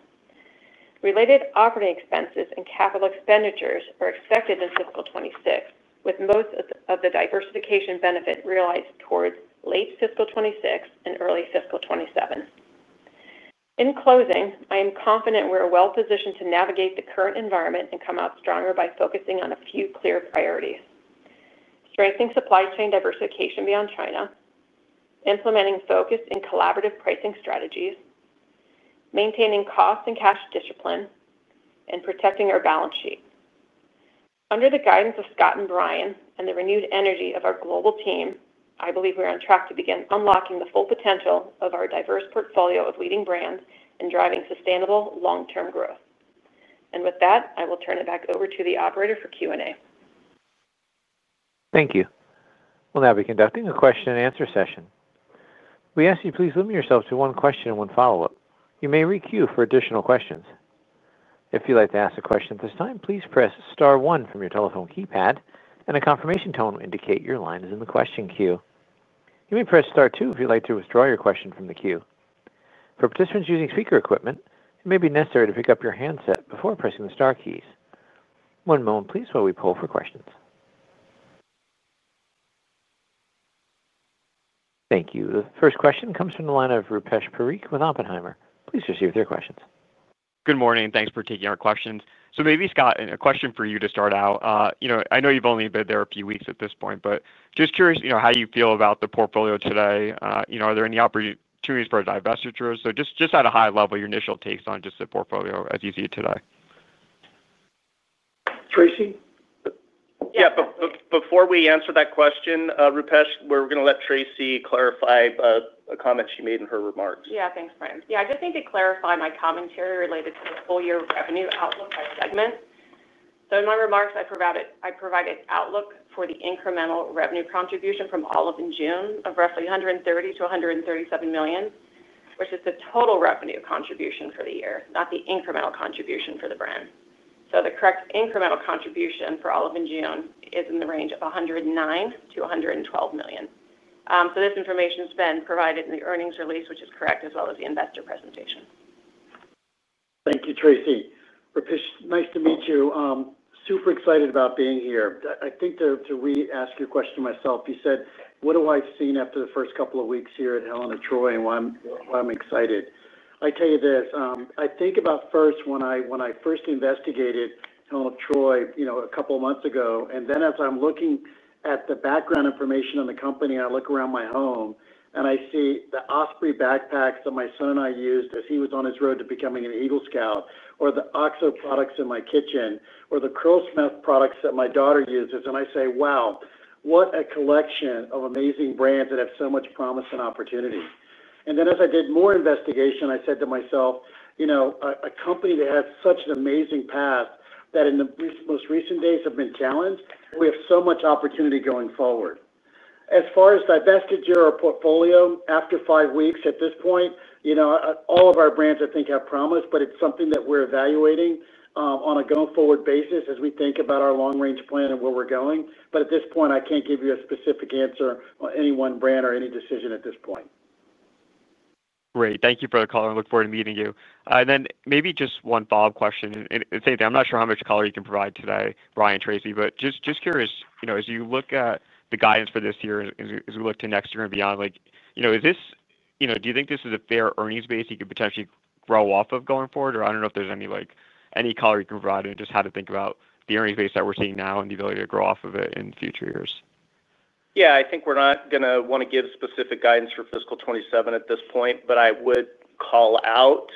Speaker 5: Related operating expenses and capital expenditures are expected in fiscal 2026, with most of the diversification benefit realized towards late fiscal 2026 and early fiscal 2027. In closing, I am confident we are well positioned to navigate the current environment and come out stronger by focusing on a few clear priorities: strengthening supply chain diversification beyond China, implementing focused and collaborative pricing strategies, maintaining cost and cash discipline, and protecting our balance sheet. Under the guidance of Scott and Brian and the renewed energy of our global team, I believe we're on track to begin unlocking the full potential of our diverse portfolio of leading brands and driving sustainable long-term growth. With that, I will turn it back over to the operator for Q&A.
Speaker 1: Thank you. We'll now be conducting a question and answer session. We ask you please limit yourself to one question and one follow-up. You may requeue for additional questions. If you'd like to ask a question at this time, please press star one from your telephone keypad, and a confirmation tone will indicate your line is in the question queue. You may press star two if you'd like to withdraw your question from the queue. For participants using speaker equipment, it may be necessary to pick up your handset before pressing the star keys. One moment, please, while we poll for questions. Thank you. The first question comes from the line of Rupesh Parikh with Oppenheimer. Please proceed with your questions.
Speaker 6: Good morning. Thanks for taking our questions. Scott, a question for you to start out. I know you've only been there a few weeks at this point, but just curious how you feel about the portfolio today. Are there any opportunities for divestitures? At a high level, your initial takes on the portfolio as you see today.
Speaker 3: Tracy?
Speaker 4: Yeah. Before we answer that question, Rupesh, we're going to let Tracy clarify a comment she made in her remarks.
Speaker 5: Yeah, thanks, Brian. I just need to clarify my commentary related to the full year revenue outlook by segment. In my remarks I provided outlook for the incremental revenue contribution from Olive & June of roughly $130 million - $137 million, which is the total revenue contribution for the year, not the incremental contribution for the brand. The correct incremental contribution for Olive & June is in the range of $109 million - $112 million. This information has been provided in the earnings release, which is correct as well as the investor presentation.
Speaker 3: Thank you. Tracy. Nice to meet you. Super excited about being here, I think to re-ask your question myself, you said, what have I seen after the first couple of weeks here at Helen of Troy and why I'm excited. I tell you that I think about first when I first investigated Helen of Troy, you know, a couple months ago. As I'm looking at the background information on the company, I look around my home and I see the Osprey backpacks that my son and I used as he was on his road to becoming an Eagle Scout or the OXO products in my kitchen or the Curlsmith products that my daughter uses. I say, wow, what a collection of amazing brands that have so much promise and opportunity. As I did more investigation, I said to myself, you know, a company that had such an amazing path that in the most recent days has been challenged, we have so much opportunity going forward. As far as divestiture portfolio after five weeks at this point, you know, all of our brands I think have promise, but it's something that we're evaluating on a going forward basis as we think about our long range plan. Where we're going. At this point I can't give you a specific answer on any one brand or any decision at this point.
Speaker 6: Great. Thank you for the color and look forward to meeting you then. Maybe just one follow-up question. I'm not sure how much color you can provide today, Brian, Tracy, but just curious, as you look at the guidance for this year, as we look to next year and beyond, do you think this is a fair earnings base you could potentially grow off. Of going forward. I don't know if there's any color you can provide, just how to think about the earnings base that we're seeing now and the ability to grow off of it in future years?
Speaker 4: Yeah, I think we're not going to want to give specific guidance for fiscal 2027 at this point. I would call out,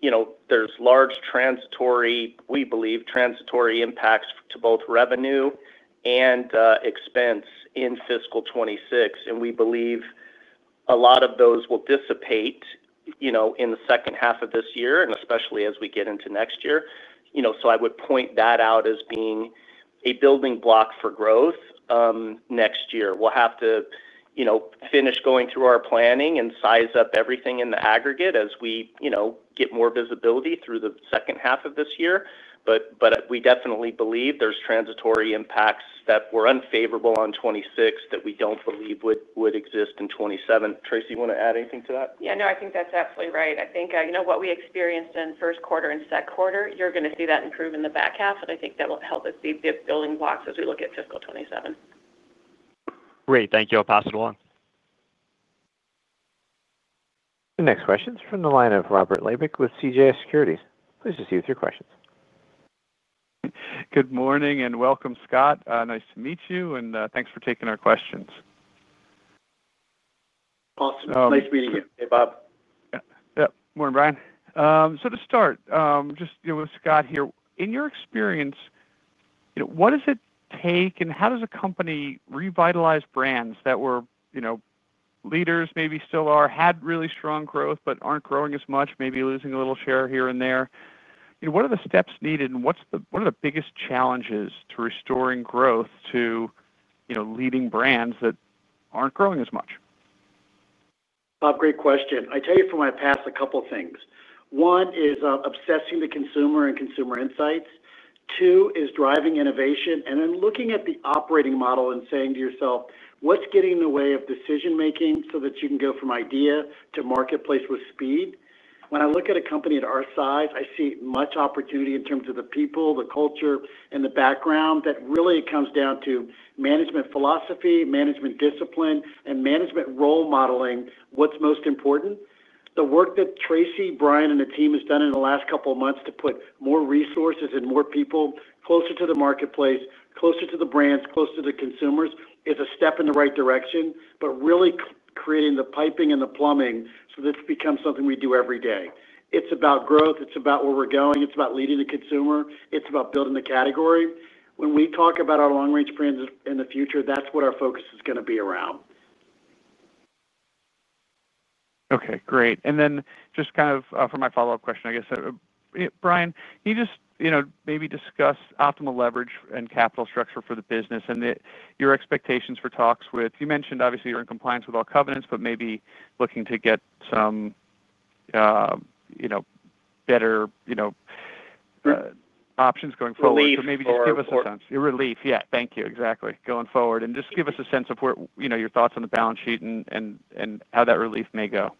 Speaker 4: you know, there's large transitory, we believe transitory impacts to both revenue and expense in fiscal 2026, and we believe a lot of those will dissipate, you know, in the second half of this year and especially as we get into next year, you know, so I would point that out as being a building block for growth next year. We'll have to, you know, finish going through our planning and size up everything in the aggregate as we, you know, get more visibility through the second half of this year. We definitely believe there's transitory impacts that were unfavorable on 2026 that we don't believe would exist in 2027. Tracy, you want to add anything to that?
Speaker 5: Yeah, I think that's absolutely right. I think what we experienced in the first quarter and second quarter, you're going to see that improve in the back half. I think that will help building blocks as we look at fiscal 2027.
Speaker 6: Great. Thank you. I'll pass it along.
Speaker 1: The next question is from the line of Robert Labick with CJS Securities. Please receive your questions.
Speaker 7: Good morning and welcome. Scott, nice to meet you and thanks for taking our questions.
Speaker 3: Awesome. Nice meeting you.
Speaker 4: Hey, Bob.
Speaker 7: Morning, Brian. To start just with Scott here, in your experience, what does it take and how does a company revitalize brands that were leaders, maybe still are, had really strong growth but aren't growing as much, maybe losing a little share here and there? What are the steps needed and what are the biggest challenges to restoring growth to leading brands that aren't growing as much?
Speaker 3: Bob, great question. I tell you from my past a couple of things. One is obsessing the consumer and consumer insights. Two is driving innovation and then looking at the operating model and saying to yourself, what's getting in the way of decision making so that you can go from idea to marketplace with speed. When I look at a company at our size, I see much opportunity in terms of the people, the culture, and the background that really comes down to management philosophy, management discipline, and management role modeling. What's most important, the work that Tracy, Brian, and the team have done in the last couple of months to put more resources and more people closer to the marketplace, closer to the brands, closer to the consumers is a step in the right direction. Really creating the piping and the plumbing so this becomes something we do every day. It's about growth, it's about where we're going, it's about leading the consumer, it's about building the category. When we talk about our long range brands in the future, that's what our focus is going to be around.
Speaker 7: Okay, great. For my follow up question, I guess, Brian, you just, you know, maybe discuss optimal leverage and capital structure for the business and your expectations for talks. You mentioned, obviously, you're in compliance with all covenants, but maybe looking to get some better options going forward. Maybe just give us a sense, your relief. Yeah, thank you. Exactly. Going forward, just give us a sense of where your thoughts on the balance sheet and how that relief may go.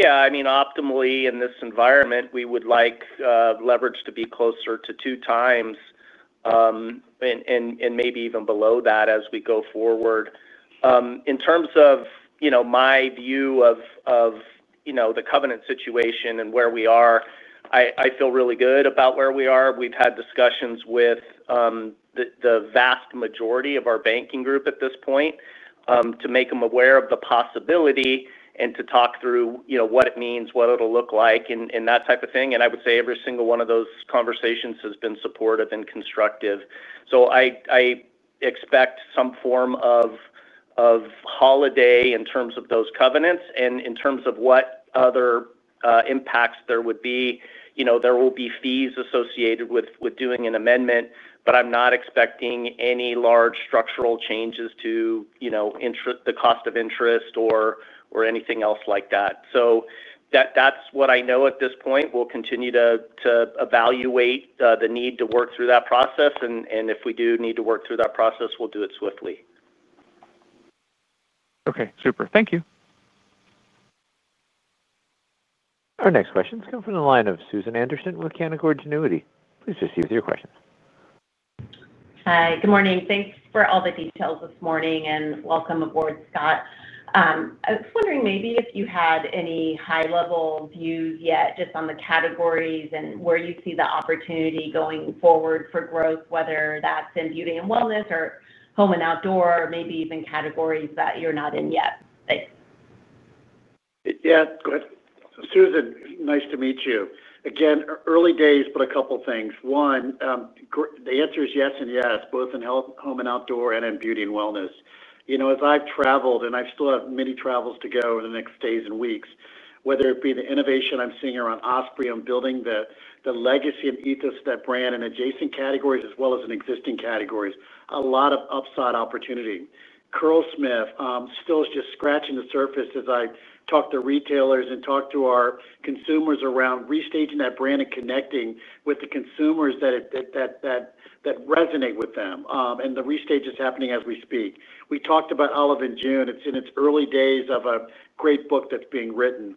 Speaker 4: Yeah, I mean, optimally in this environment we would like leverage to be closer to two times and maybe even below that as we go forward. In terms of my view of the covenant situation and where we are, I feel really good about where we are. We've had discussions with the vast majority of our banking group at this point to make them aware of the possibility and to talk through what it means, what it'll look like, and that type of thing. I would say every single one of those conversations has been supportive and constructive. I expect some form of holiday in terms of those covenants and in terms of what other impacts there would be. There will be fees associated with doing an amendment, but I'm not expecting any large structural changes to the cost of interest or anything else like that. That's what I know. At this point, we'll continue to evaluate the need to work through that process, and if we do need to work through that process, we'll do it swiftly.
Speaker 7: Okay, super. Thank you.
Speaker 1: Our next questions come from the line of Susan Anderson with Canaccord Genuity. Please proceed with your questions.
Speaker 8: Hi, good morning. Thanks for all the details this morning and welcome aboard. Scott, I was wondering if you had any high level views yet just on the categories and where you see the opportunity going forward for growth, whether that's in beauty and wellness or home and outdoor, maybe even categories that you're not in yet.
Speaker 3: Yeah. Good. Susan, nice to meet you again. Early days, but a couple things. One, the answer is yes and yes, both in home and outdoor and in beauty and wellness. As I've traveled and I still have many travels to go over the next days and weeks, whether it be the innovation I'm seeing around Osprey on building the legacy and ethos of that brand and adjacent categories as well as in existing categories, a lot of upside opportunity. Curlsmith still is just scratching the surface as I talk to retailers and talk to our consumers around that brand and connecting with the consumers that resonate with them. The restage is happening as we speak. We talked about Olive & June. It's in its early days of a great book that's being written.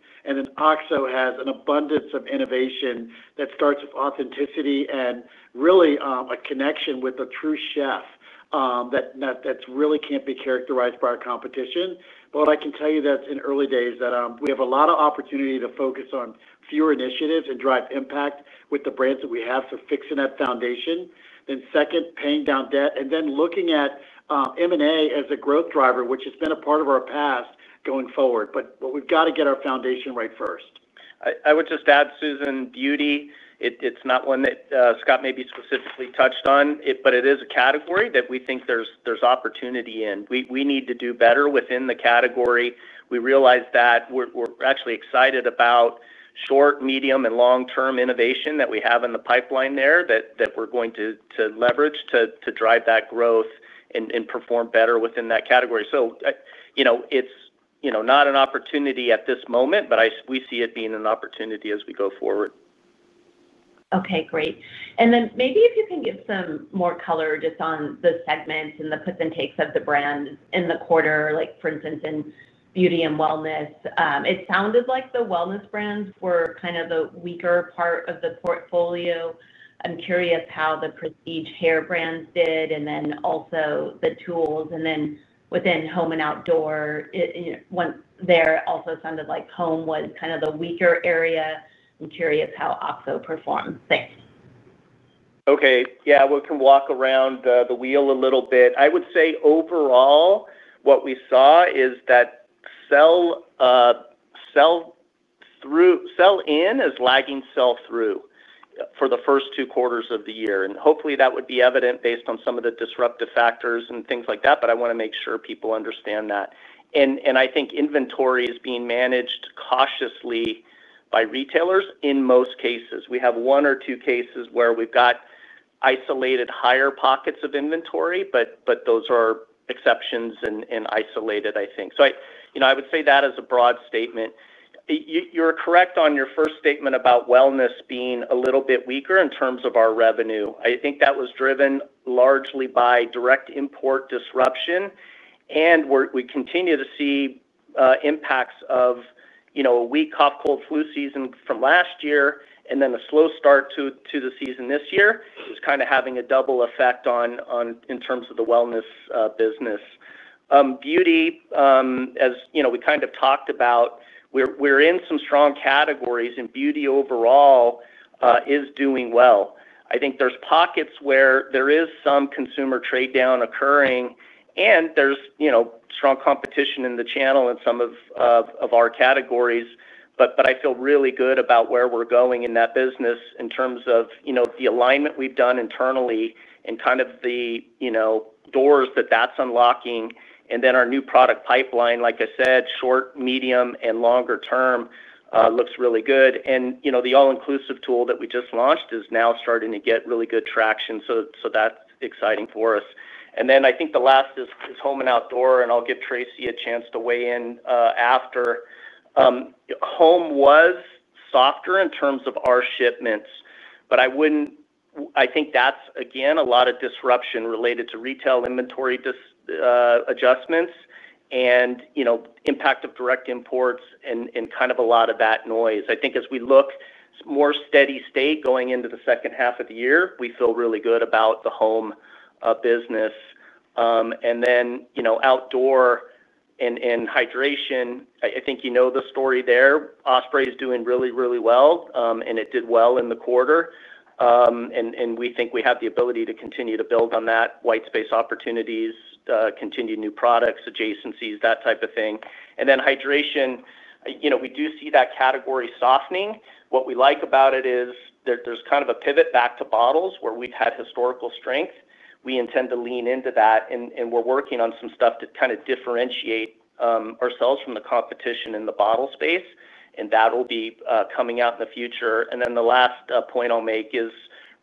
Speaker 3: OXO has an abundance of innovation that starts with authenticity and really a connection with a true chef that really can't be characterized by our competition. I can tell you that in early days we have a lot of opportunity to focus on fewer initiatives and drive impact with the brands that we have. Fixing that foundation, then second paying down debt and then looking at M&A as a growth driver, which has been a part of our past going forward. We've got to get our foundation right first.
Speaker 4: I would just add, Susan, Beauty. It's not one that Scott maybe specifically touched on, but it is a category that we think there's opportunity in. We need to do better within the category. We realized that we're actually excited about short, medium, and long term innovation that we have in the pipeline there that we're going to leverage to drive that growth and perform better within that category. It's not an opportunity at this moment, but we see it being an opportunity as we go forward.
Speaker 8: Okay, great. If you can give. Some more color just on the segments. The puts and takes of the. Brand in the quarter. For instance, in Beauty and Wellness, it sounded like the wellness brands were kind of the weaker part of the portfolio. I'm curious how the prestige hair brands did, and then also the tools. Within Home and Outdoor, there also sounded like home was kind of the weaker area. I'm curious how OXO performs there.
Speaker 4: Okay. Yeah, we can walk around the wheel a little bit. I would say overall what we saw is that sell-in is lagging sell-through for the first two quarters of the year, and hopefully that would be evident based on some of the disruptive factors and things like that. I want to make sure people understand that. I think inventory is being managed cautiously by retailers in most cases. We have one or two cases where we've got isolated higher pockets of inventory, but those are exceptions and isolated. I think so. I would say that as a broad statement, you're correct on your first statement about wellness being a little bit weaker in terms of our revenue. I think that was driven largely by direct import disruption. We continue to see impacts of a weak hot, cold, flu season from last year and then a slow start to the season this year, kind of having a double effect in terms of the wellness business. Beauty, as you know, we kind of talked about, we're in some strong categories and beauty overall is doing well. I think there's pockets where there is some consumer trade down occurring and there's strong competition in the channel in some of our categories, but I feel really good about where we're going in that business in terms of the alignment we've done internally and the doors that that's unlocking. Our new product pipeline, like I said, short, medium, and longer term, looks really good. The all-inclusive tool that we just launched is now starting to get really good traction, so that's exciting for us. I think the last is Home and Outdoor, and I'll give Tracy a chance to weigh in after. Home was softer in terms of our shipments, but I think that's again a lot of disruption related to retail inventory adjustments and impact of direct imports and a lot of that noise. As we look more steady state going into the second half of the year, we feel really good about the Home business. Outdoor and hydration, I think you know the story there. Osprey is doing really, really well, and it did well in the quarter. We think we have the ability to continue to build on that white space, opportunities continue, new products, adjacencies, that type of thing. Hydration, we do see that category softening. What we like about it is there's kind of a pivot back to bottles where we've had historical strength. We intend to lean into that, and we're working on some stuff to differentiate ourselves from the competition in the bottle space. That will be coming out in the future. The last point I'll make is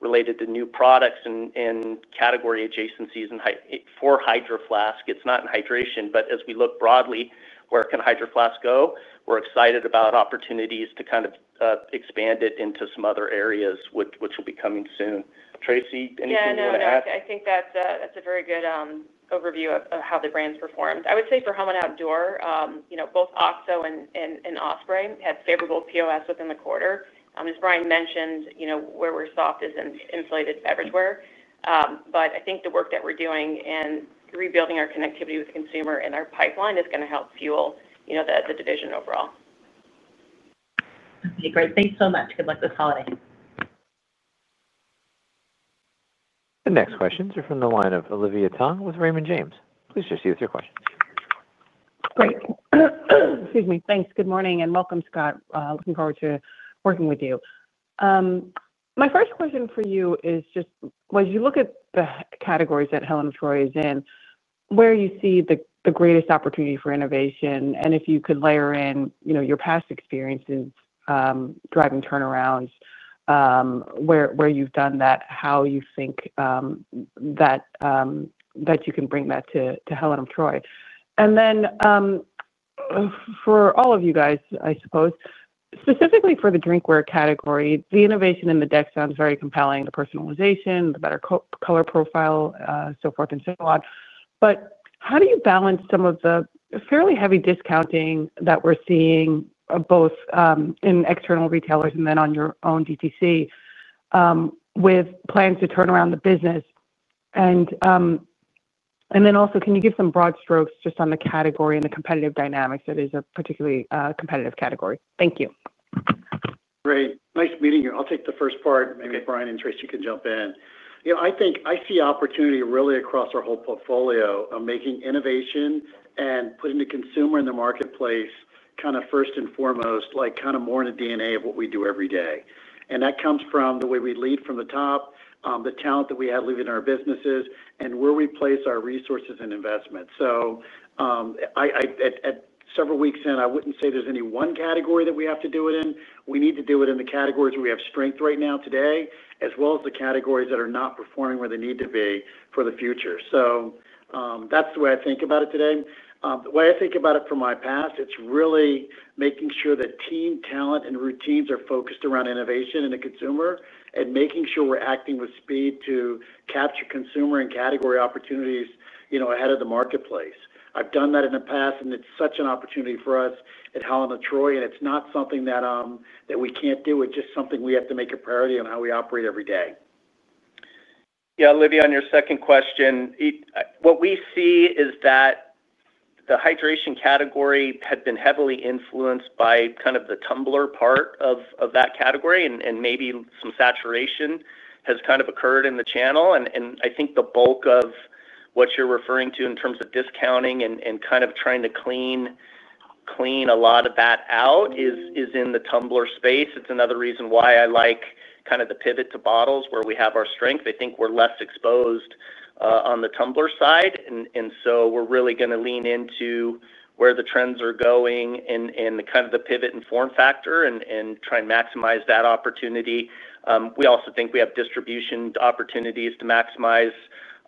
Speaker 4: related to new products and category adjacencies. For Hydro Flask, it's not in hydration, but as we look broadly, where can Hydro Flask go? We're excited about opportunities to expand it into some other areas, which will be coming soon. Tracy, anything?
Speaker 5: I think that's a very good overview of how the brands performed. I would say, for Home and Outdoor, you know, both OXO and Osprey had favorable POs within the quarter. As Brian mentioned, where we're soft is insulated beverageware. I think the work that we're doing in rebuilding our connectivity with the consumer and our pipeline is going to help fuel the division overall.
Speaker 8: Okay, great. Thanks so much. Good luck with holidays.
Speaker 1: The next questions are from the line of Olivia Tong with Raymond James. Please proceed with your question.
Speaker 9: Great. Thanks. Good morning and welcome, Scott. Looking forward to working with you. My first question for you is just as you look at the categories that Helen of Troy is in, where you see the greatest opportunity for innovation, and if you could layer in your past experiences driving turnarounds, where you've done that, how you think that you can bring that to Helen of Troy. For all of you guys, I suppose, specifically for the drinkware category, the innovation in the deck sounds very compelling. The personalization, the better color profile. Forth and so on. How do you balance some of the fairly heavy discounting that we're seeing both in external retailers and then on your own DTC with plans to turn around the business? Can you give some broad strokes just on the category and the competitive dynamics? That is a particularly competitive category. Thank you.
Speaker 3: Great. Nice meeting you. I'll take the first part. Maybe Brian and Tracy can jump in. I think I see opportunity really across our whole portfolio of making innovation and putting the consumer in the marketplace first and foremost, more in the DNA of what we do every day. That comes from the way we lead from the top, the talent that we have leading our businesses, and where we place our resources and investment. At several weeks in, I wouldn't say there's any one category that we have to do it in. We need to do it in the categories we have strength right now, today, as well as the categories that are not performing where they need to be for the future. That's the way I think about it today, the way I think about it from my past. It's really making sure that team talent and routines are focused around innovation and a consumer, and making sure we're acting with speed to capture consumer and category opportunities ahead of the marketplace. I've done that in the past, and it's such an opportunity for us at Helen of Troy. It's not something that we can't do. It's just something we have to make a priority on how we operate every day.
Speaker 4: Yeah, Olivia, on your second question, what we see is that the hydration category had been heavily influenced by kind of the tumbler part of that category. Maybe some saturation has kind of occurred in the channel. I think the bulk of what you're referring to in terms of discounting and kind of trying to clean a lot of that out is in the tumbler space. It's another reason why I like kind of the pivot to bottles where we have our strength. I think we're less exposed on the tumbler side. We're really going to lean into where the trends are going in the kind of the pivot and form factor and try and maximize that opportunity. We also think we have distribution opportunities to maximize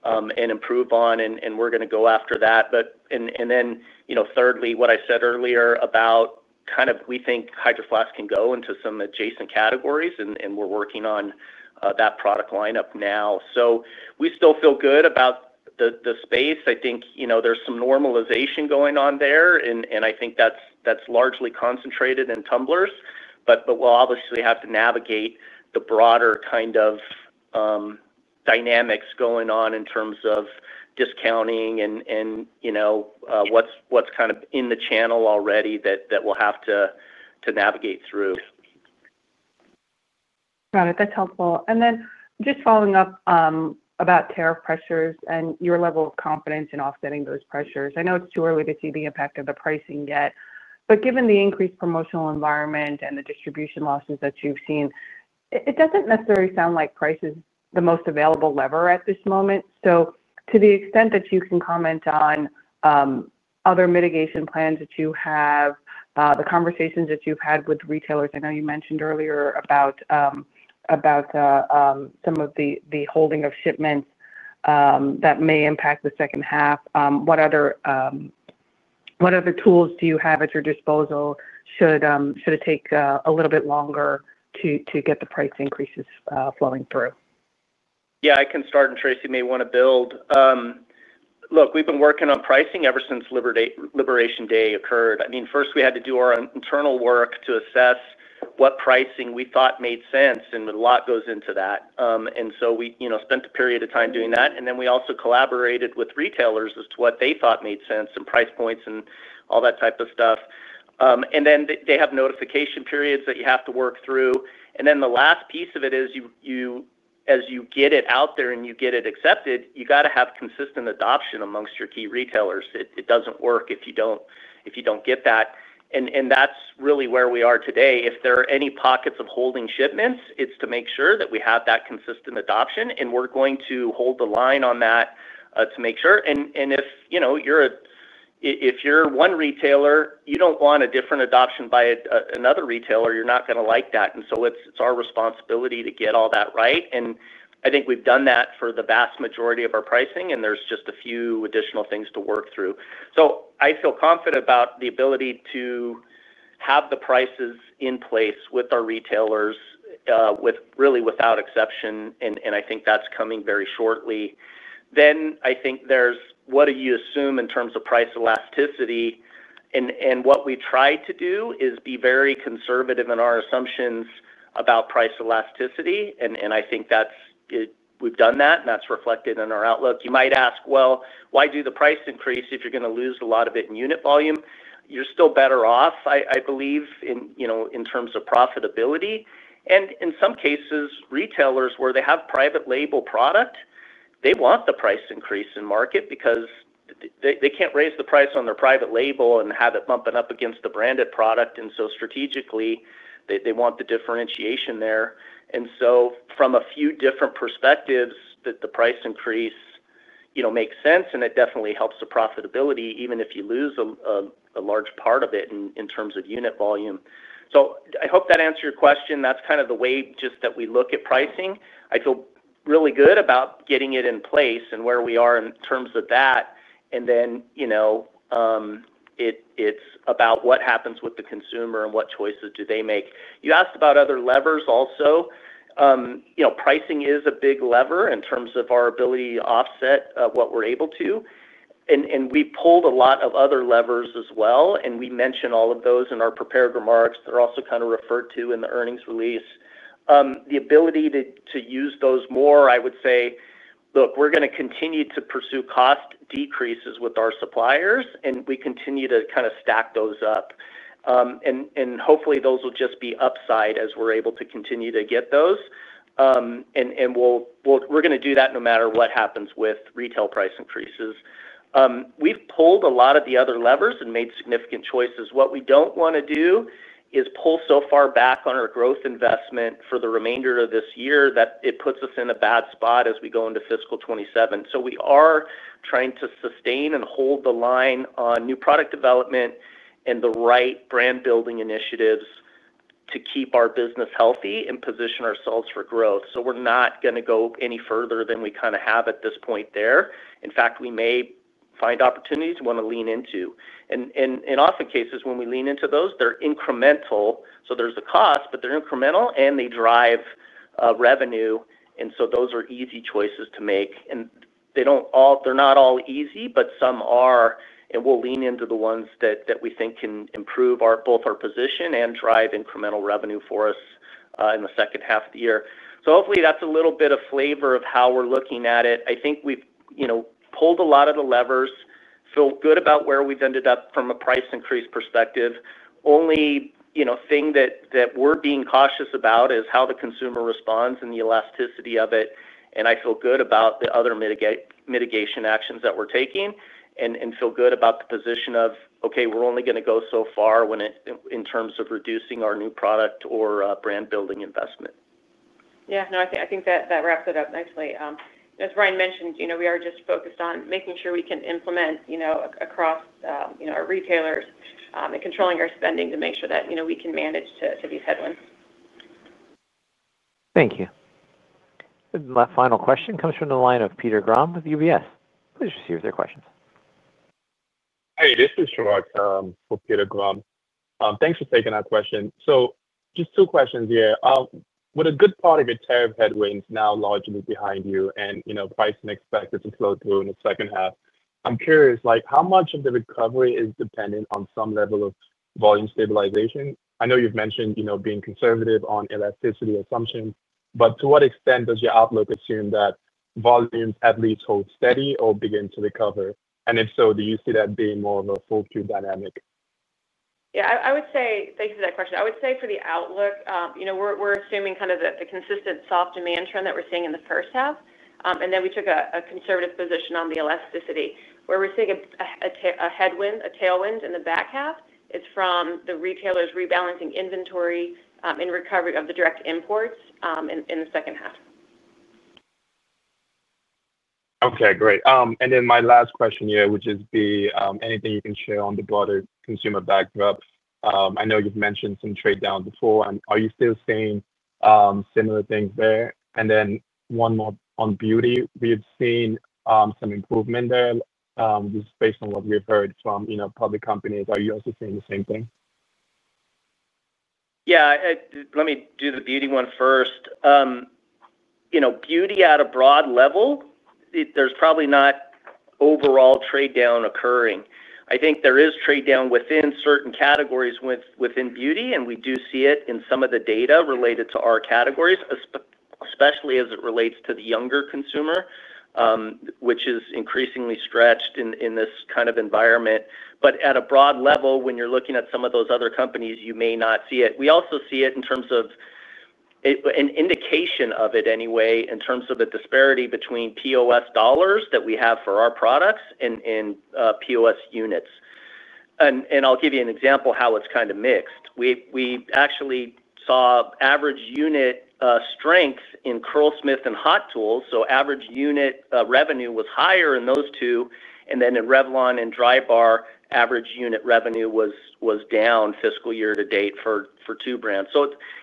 Speaker 4: and improve on, and we're going to go after that. Thirdly, what I said earlier about kind of we think Hydro Flask can go into some adjacent categories, and we're working on that product lineup now, so we still feel good about the space. I think there's some normalization going on there, and I think that's largely concentrated in tumblers. We'll obviously have to navigate the broader kind of dynamics going on in terms of discounting and what's kind of in the channel already that we'll have to navigate through.
Speaker 9: Got it. That's helpful. Just following up about tariff pressures and your level of confidence in offsetting those pressures, I know it's too early to see the impact of the pricing yet. Given the increased promotional environment and the distribution losses that you've seen, it doesn't necessarily sound like price is the most available lever at this moment. To the extent that you can comment on other mitigation plans that you have, the conversations that you've had with retailers, I know you mentioned earlier about some of the holding of shipments that may impact the second half. What other tools do you have at your disposal? Should it take a little bit longer to get the price increases flowing through?
Speaker 4: Yeah, I can start. Tracy may want to build. Look, we've been working on pricing ever since Liberty Liberation Day occurred. First, we had to do our internal work to assess what pricing we thought made sense. A lot goes into that. We spent a period of time doing that. We also collaborated with retailers as to what they thought made sense and price points and all that type of stuff. They have notification periods that you have to work through. The last piece of it is, as you get it out there and you get it accepted, you have to have consistent adoption amongst your key retailers. It doesn't work if you don't get that. That's really where we are today. If there are any pockets of holding shipments, it's to make sure that we have that consistent adoption and we're going to hold the line on that to make sure. If you're one retailer, you don't want a different adoption by another retailer, you're not going to like that. It's our responsibility to get all that right. I think we've done that for the vast majority of our pricing. There are just a few additional things to work through. I feel confident about the ability to have the prices in place with our retailers, really without exception. I think that's coming very shortly. I think there's, what do you assume in terms of price elasticity? What we try to do is be very conservative in our assumptions about price elasticity. I think we've done that and that's reflected in our outlook. You might ask, why do the price increase if you're going to lose a lot of it in unit volume? You're still better off, I believe, in terms of profitability. In some cases, retailers where they have private label product, they want the price increase in market because they can't raise the price on their private label and have it bumping up against the branded product. Strategically, they want the differentiation there. From a few different perspectives, the price increase makes sense and it definitely helps the profitability even if you lose a large part of it in terms of unit volume. I hope that answered your question. That's kind of the way that we look at pricing. I feel really good about getting it in place and where we are in terms of that. Then it's about what happens with the consumer and what choices they make. You asked about other levers also. Pricing is a big lever in terms of our ability to offset what we're able to. We pulled a lot of other levers as well, and we mention all of those in our prepared remarks. They're also kind of referred to in the earnings release, the ability to use those more. I would say, look, we're going to continue to pursue cost decreases with our suppliers, and we continue to kind of stack those up, and hopefully those will just be upside as we're able to continue to get those. We're going to do that no matter what happens with retail price increases. We've pulled a lot of the other levers and made significant choices. What we don't want to do is pull so far back on our growth investment for the remainder of this year that it puts us in a bad spot as we go into fiscal 2027. We are trying to sustain and hold the line on new product development and the right brand building initiatives to keep our business healthy and position ourselves for growth. We're not going to go any further than we kind of have at this point there. In fact, we may find opportunities we want to lean into, and in often cases when we lean into those, they're incremental. There's a cost, but they're incremental and they drive revenue. Those are easy choices to make, and they don't all, they're not all easy, but some are, and we'll lean into the ones that we think can improve both our position and drive incremental revenue for us in the second half of the year. Hopefully that's a little bit of flavor of how we're looking at it. I think we've pulled a lot of the levers, so good about where we've ended up from a price increase perspective. The only thing that we're being cautious about is how the consumer responds and the elasticity of it. I feel good about the other mitigation actions that we're taking and feel good about the position of, okay, we're only going to go so far in terms of reducing our new product or brand building investment.
Speaker 5: Yeah, no, I think that wraps it up nicely. As Brian mentioned, we are just focused on making sure we can implement across our retailers and controlling our spending to make sure that we can manage to these headwinds.
Speaker 9: Thank you.
Speaker 1: My final question comes from the line of Peter Grom with UBS. Please receive their questions.
Speaker 10: Hey, this is Peter Grom, thanks for taking that question. Just two questions here. With a good part of its headwind now largely behind you and, you know, price can expect it to slow through in the second half, I'm curious how much of the recovery is dependent on some level of volume stabilization. I know you've mentioned being conservative on elasticity assumptions, but to what extent does your outlook assume that volume at least holds steady or begins to recover? If so, do you see that being more of a full tube dynamic?
Speaker 5: Thanks for that question. I would say for the outlook, we're assuming kind of the consistent soft demand trend that we're seeing in the first half, and then we took a conservative position on the elasticity where we're seeing a headwind. A tailwind in the back half is from the retailers rebalancing inventory in recovery of the direct imports in the second half.
Speaker 10: Okay, great. My last question here would just be anything you can share on the broader consumer backdrop. I know you've mentioned some trade down before. Are you still seeing similar things there? One more on beauty. We have seen some improvement there just based on what we've heard from public companies. Are you also seeing the same thing?
Speaker 4: Yeah. Let me do the beauty one first. You know, beauty at a broad level, there's probably not overall trade down occurring. I think there is trade down within certain categories when it's within beauty. We do see it in some of the data related to our categories, especially as it relates to the younger consumer, which is increasingly stretched in this kind of environment. At a broad level, when you're looking at some of those other companies, you may not see it. We also see it in terms of an indication of it anyway in terms of the disparity between POS dollars that we have for our products and POS units. I'll give you an example of how it's kind of mixed. We actually saw average unit strength in Curlsmith and Hot Tools, so average unit revenue was higher in those two. In Revlon and Drybar, average unit revenue was down fiscal year to date for two brands.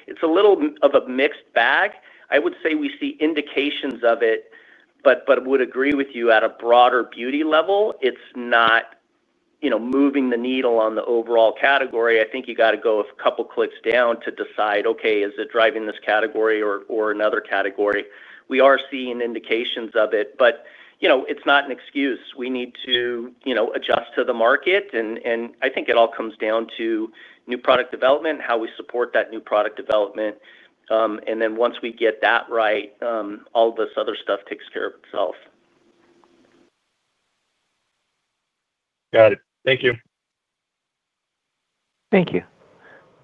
Speaker 4: It's a little of a mixed bag. I would say we see indications of it, but would agree with you at a broader beauty level. It's not moving the needle on the overall category. I think you got to go a couple clicks down to decide, okay, is it driving this category or another category? We are seeing indications of it, but it's not an excuse. We need to adjust to the market. I think it all comes down to new product development, how we support that new product development. We. Once we get that right, all this other stuff takes care of itself. Got it.
Speaker 10: Thank you.
Speaker 1: Thank you.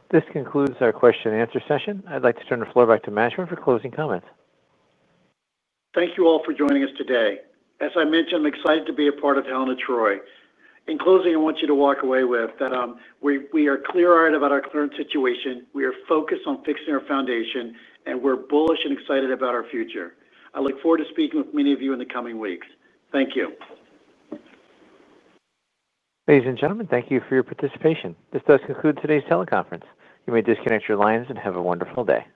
Speaker 1: This concludes our question and answer session. I'd like to turn the floor back to Uzzell for closing comments.
Speaker 3: Thank you all for joining us today. As I mentioned, I'm excited to be a part of Helen of Troy. In closing, I want you to walk away with that. We are clear eyed about our current situation. We are focused on fixing our foundation, and we're bullish and excited about our future. I look forward to speaking with many of you in the coming weeks. Thank you.
Speaker 1: Ladies and gentlemen, thank you for your participation. This does conclude today's teleconference. You may disconnect your lines and have a wonderful day.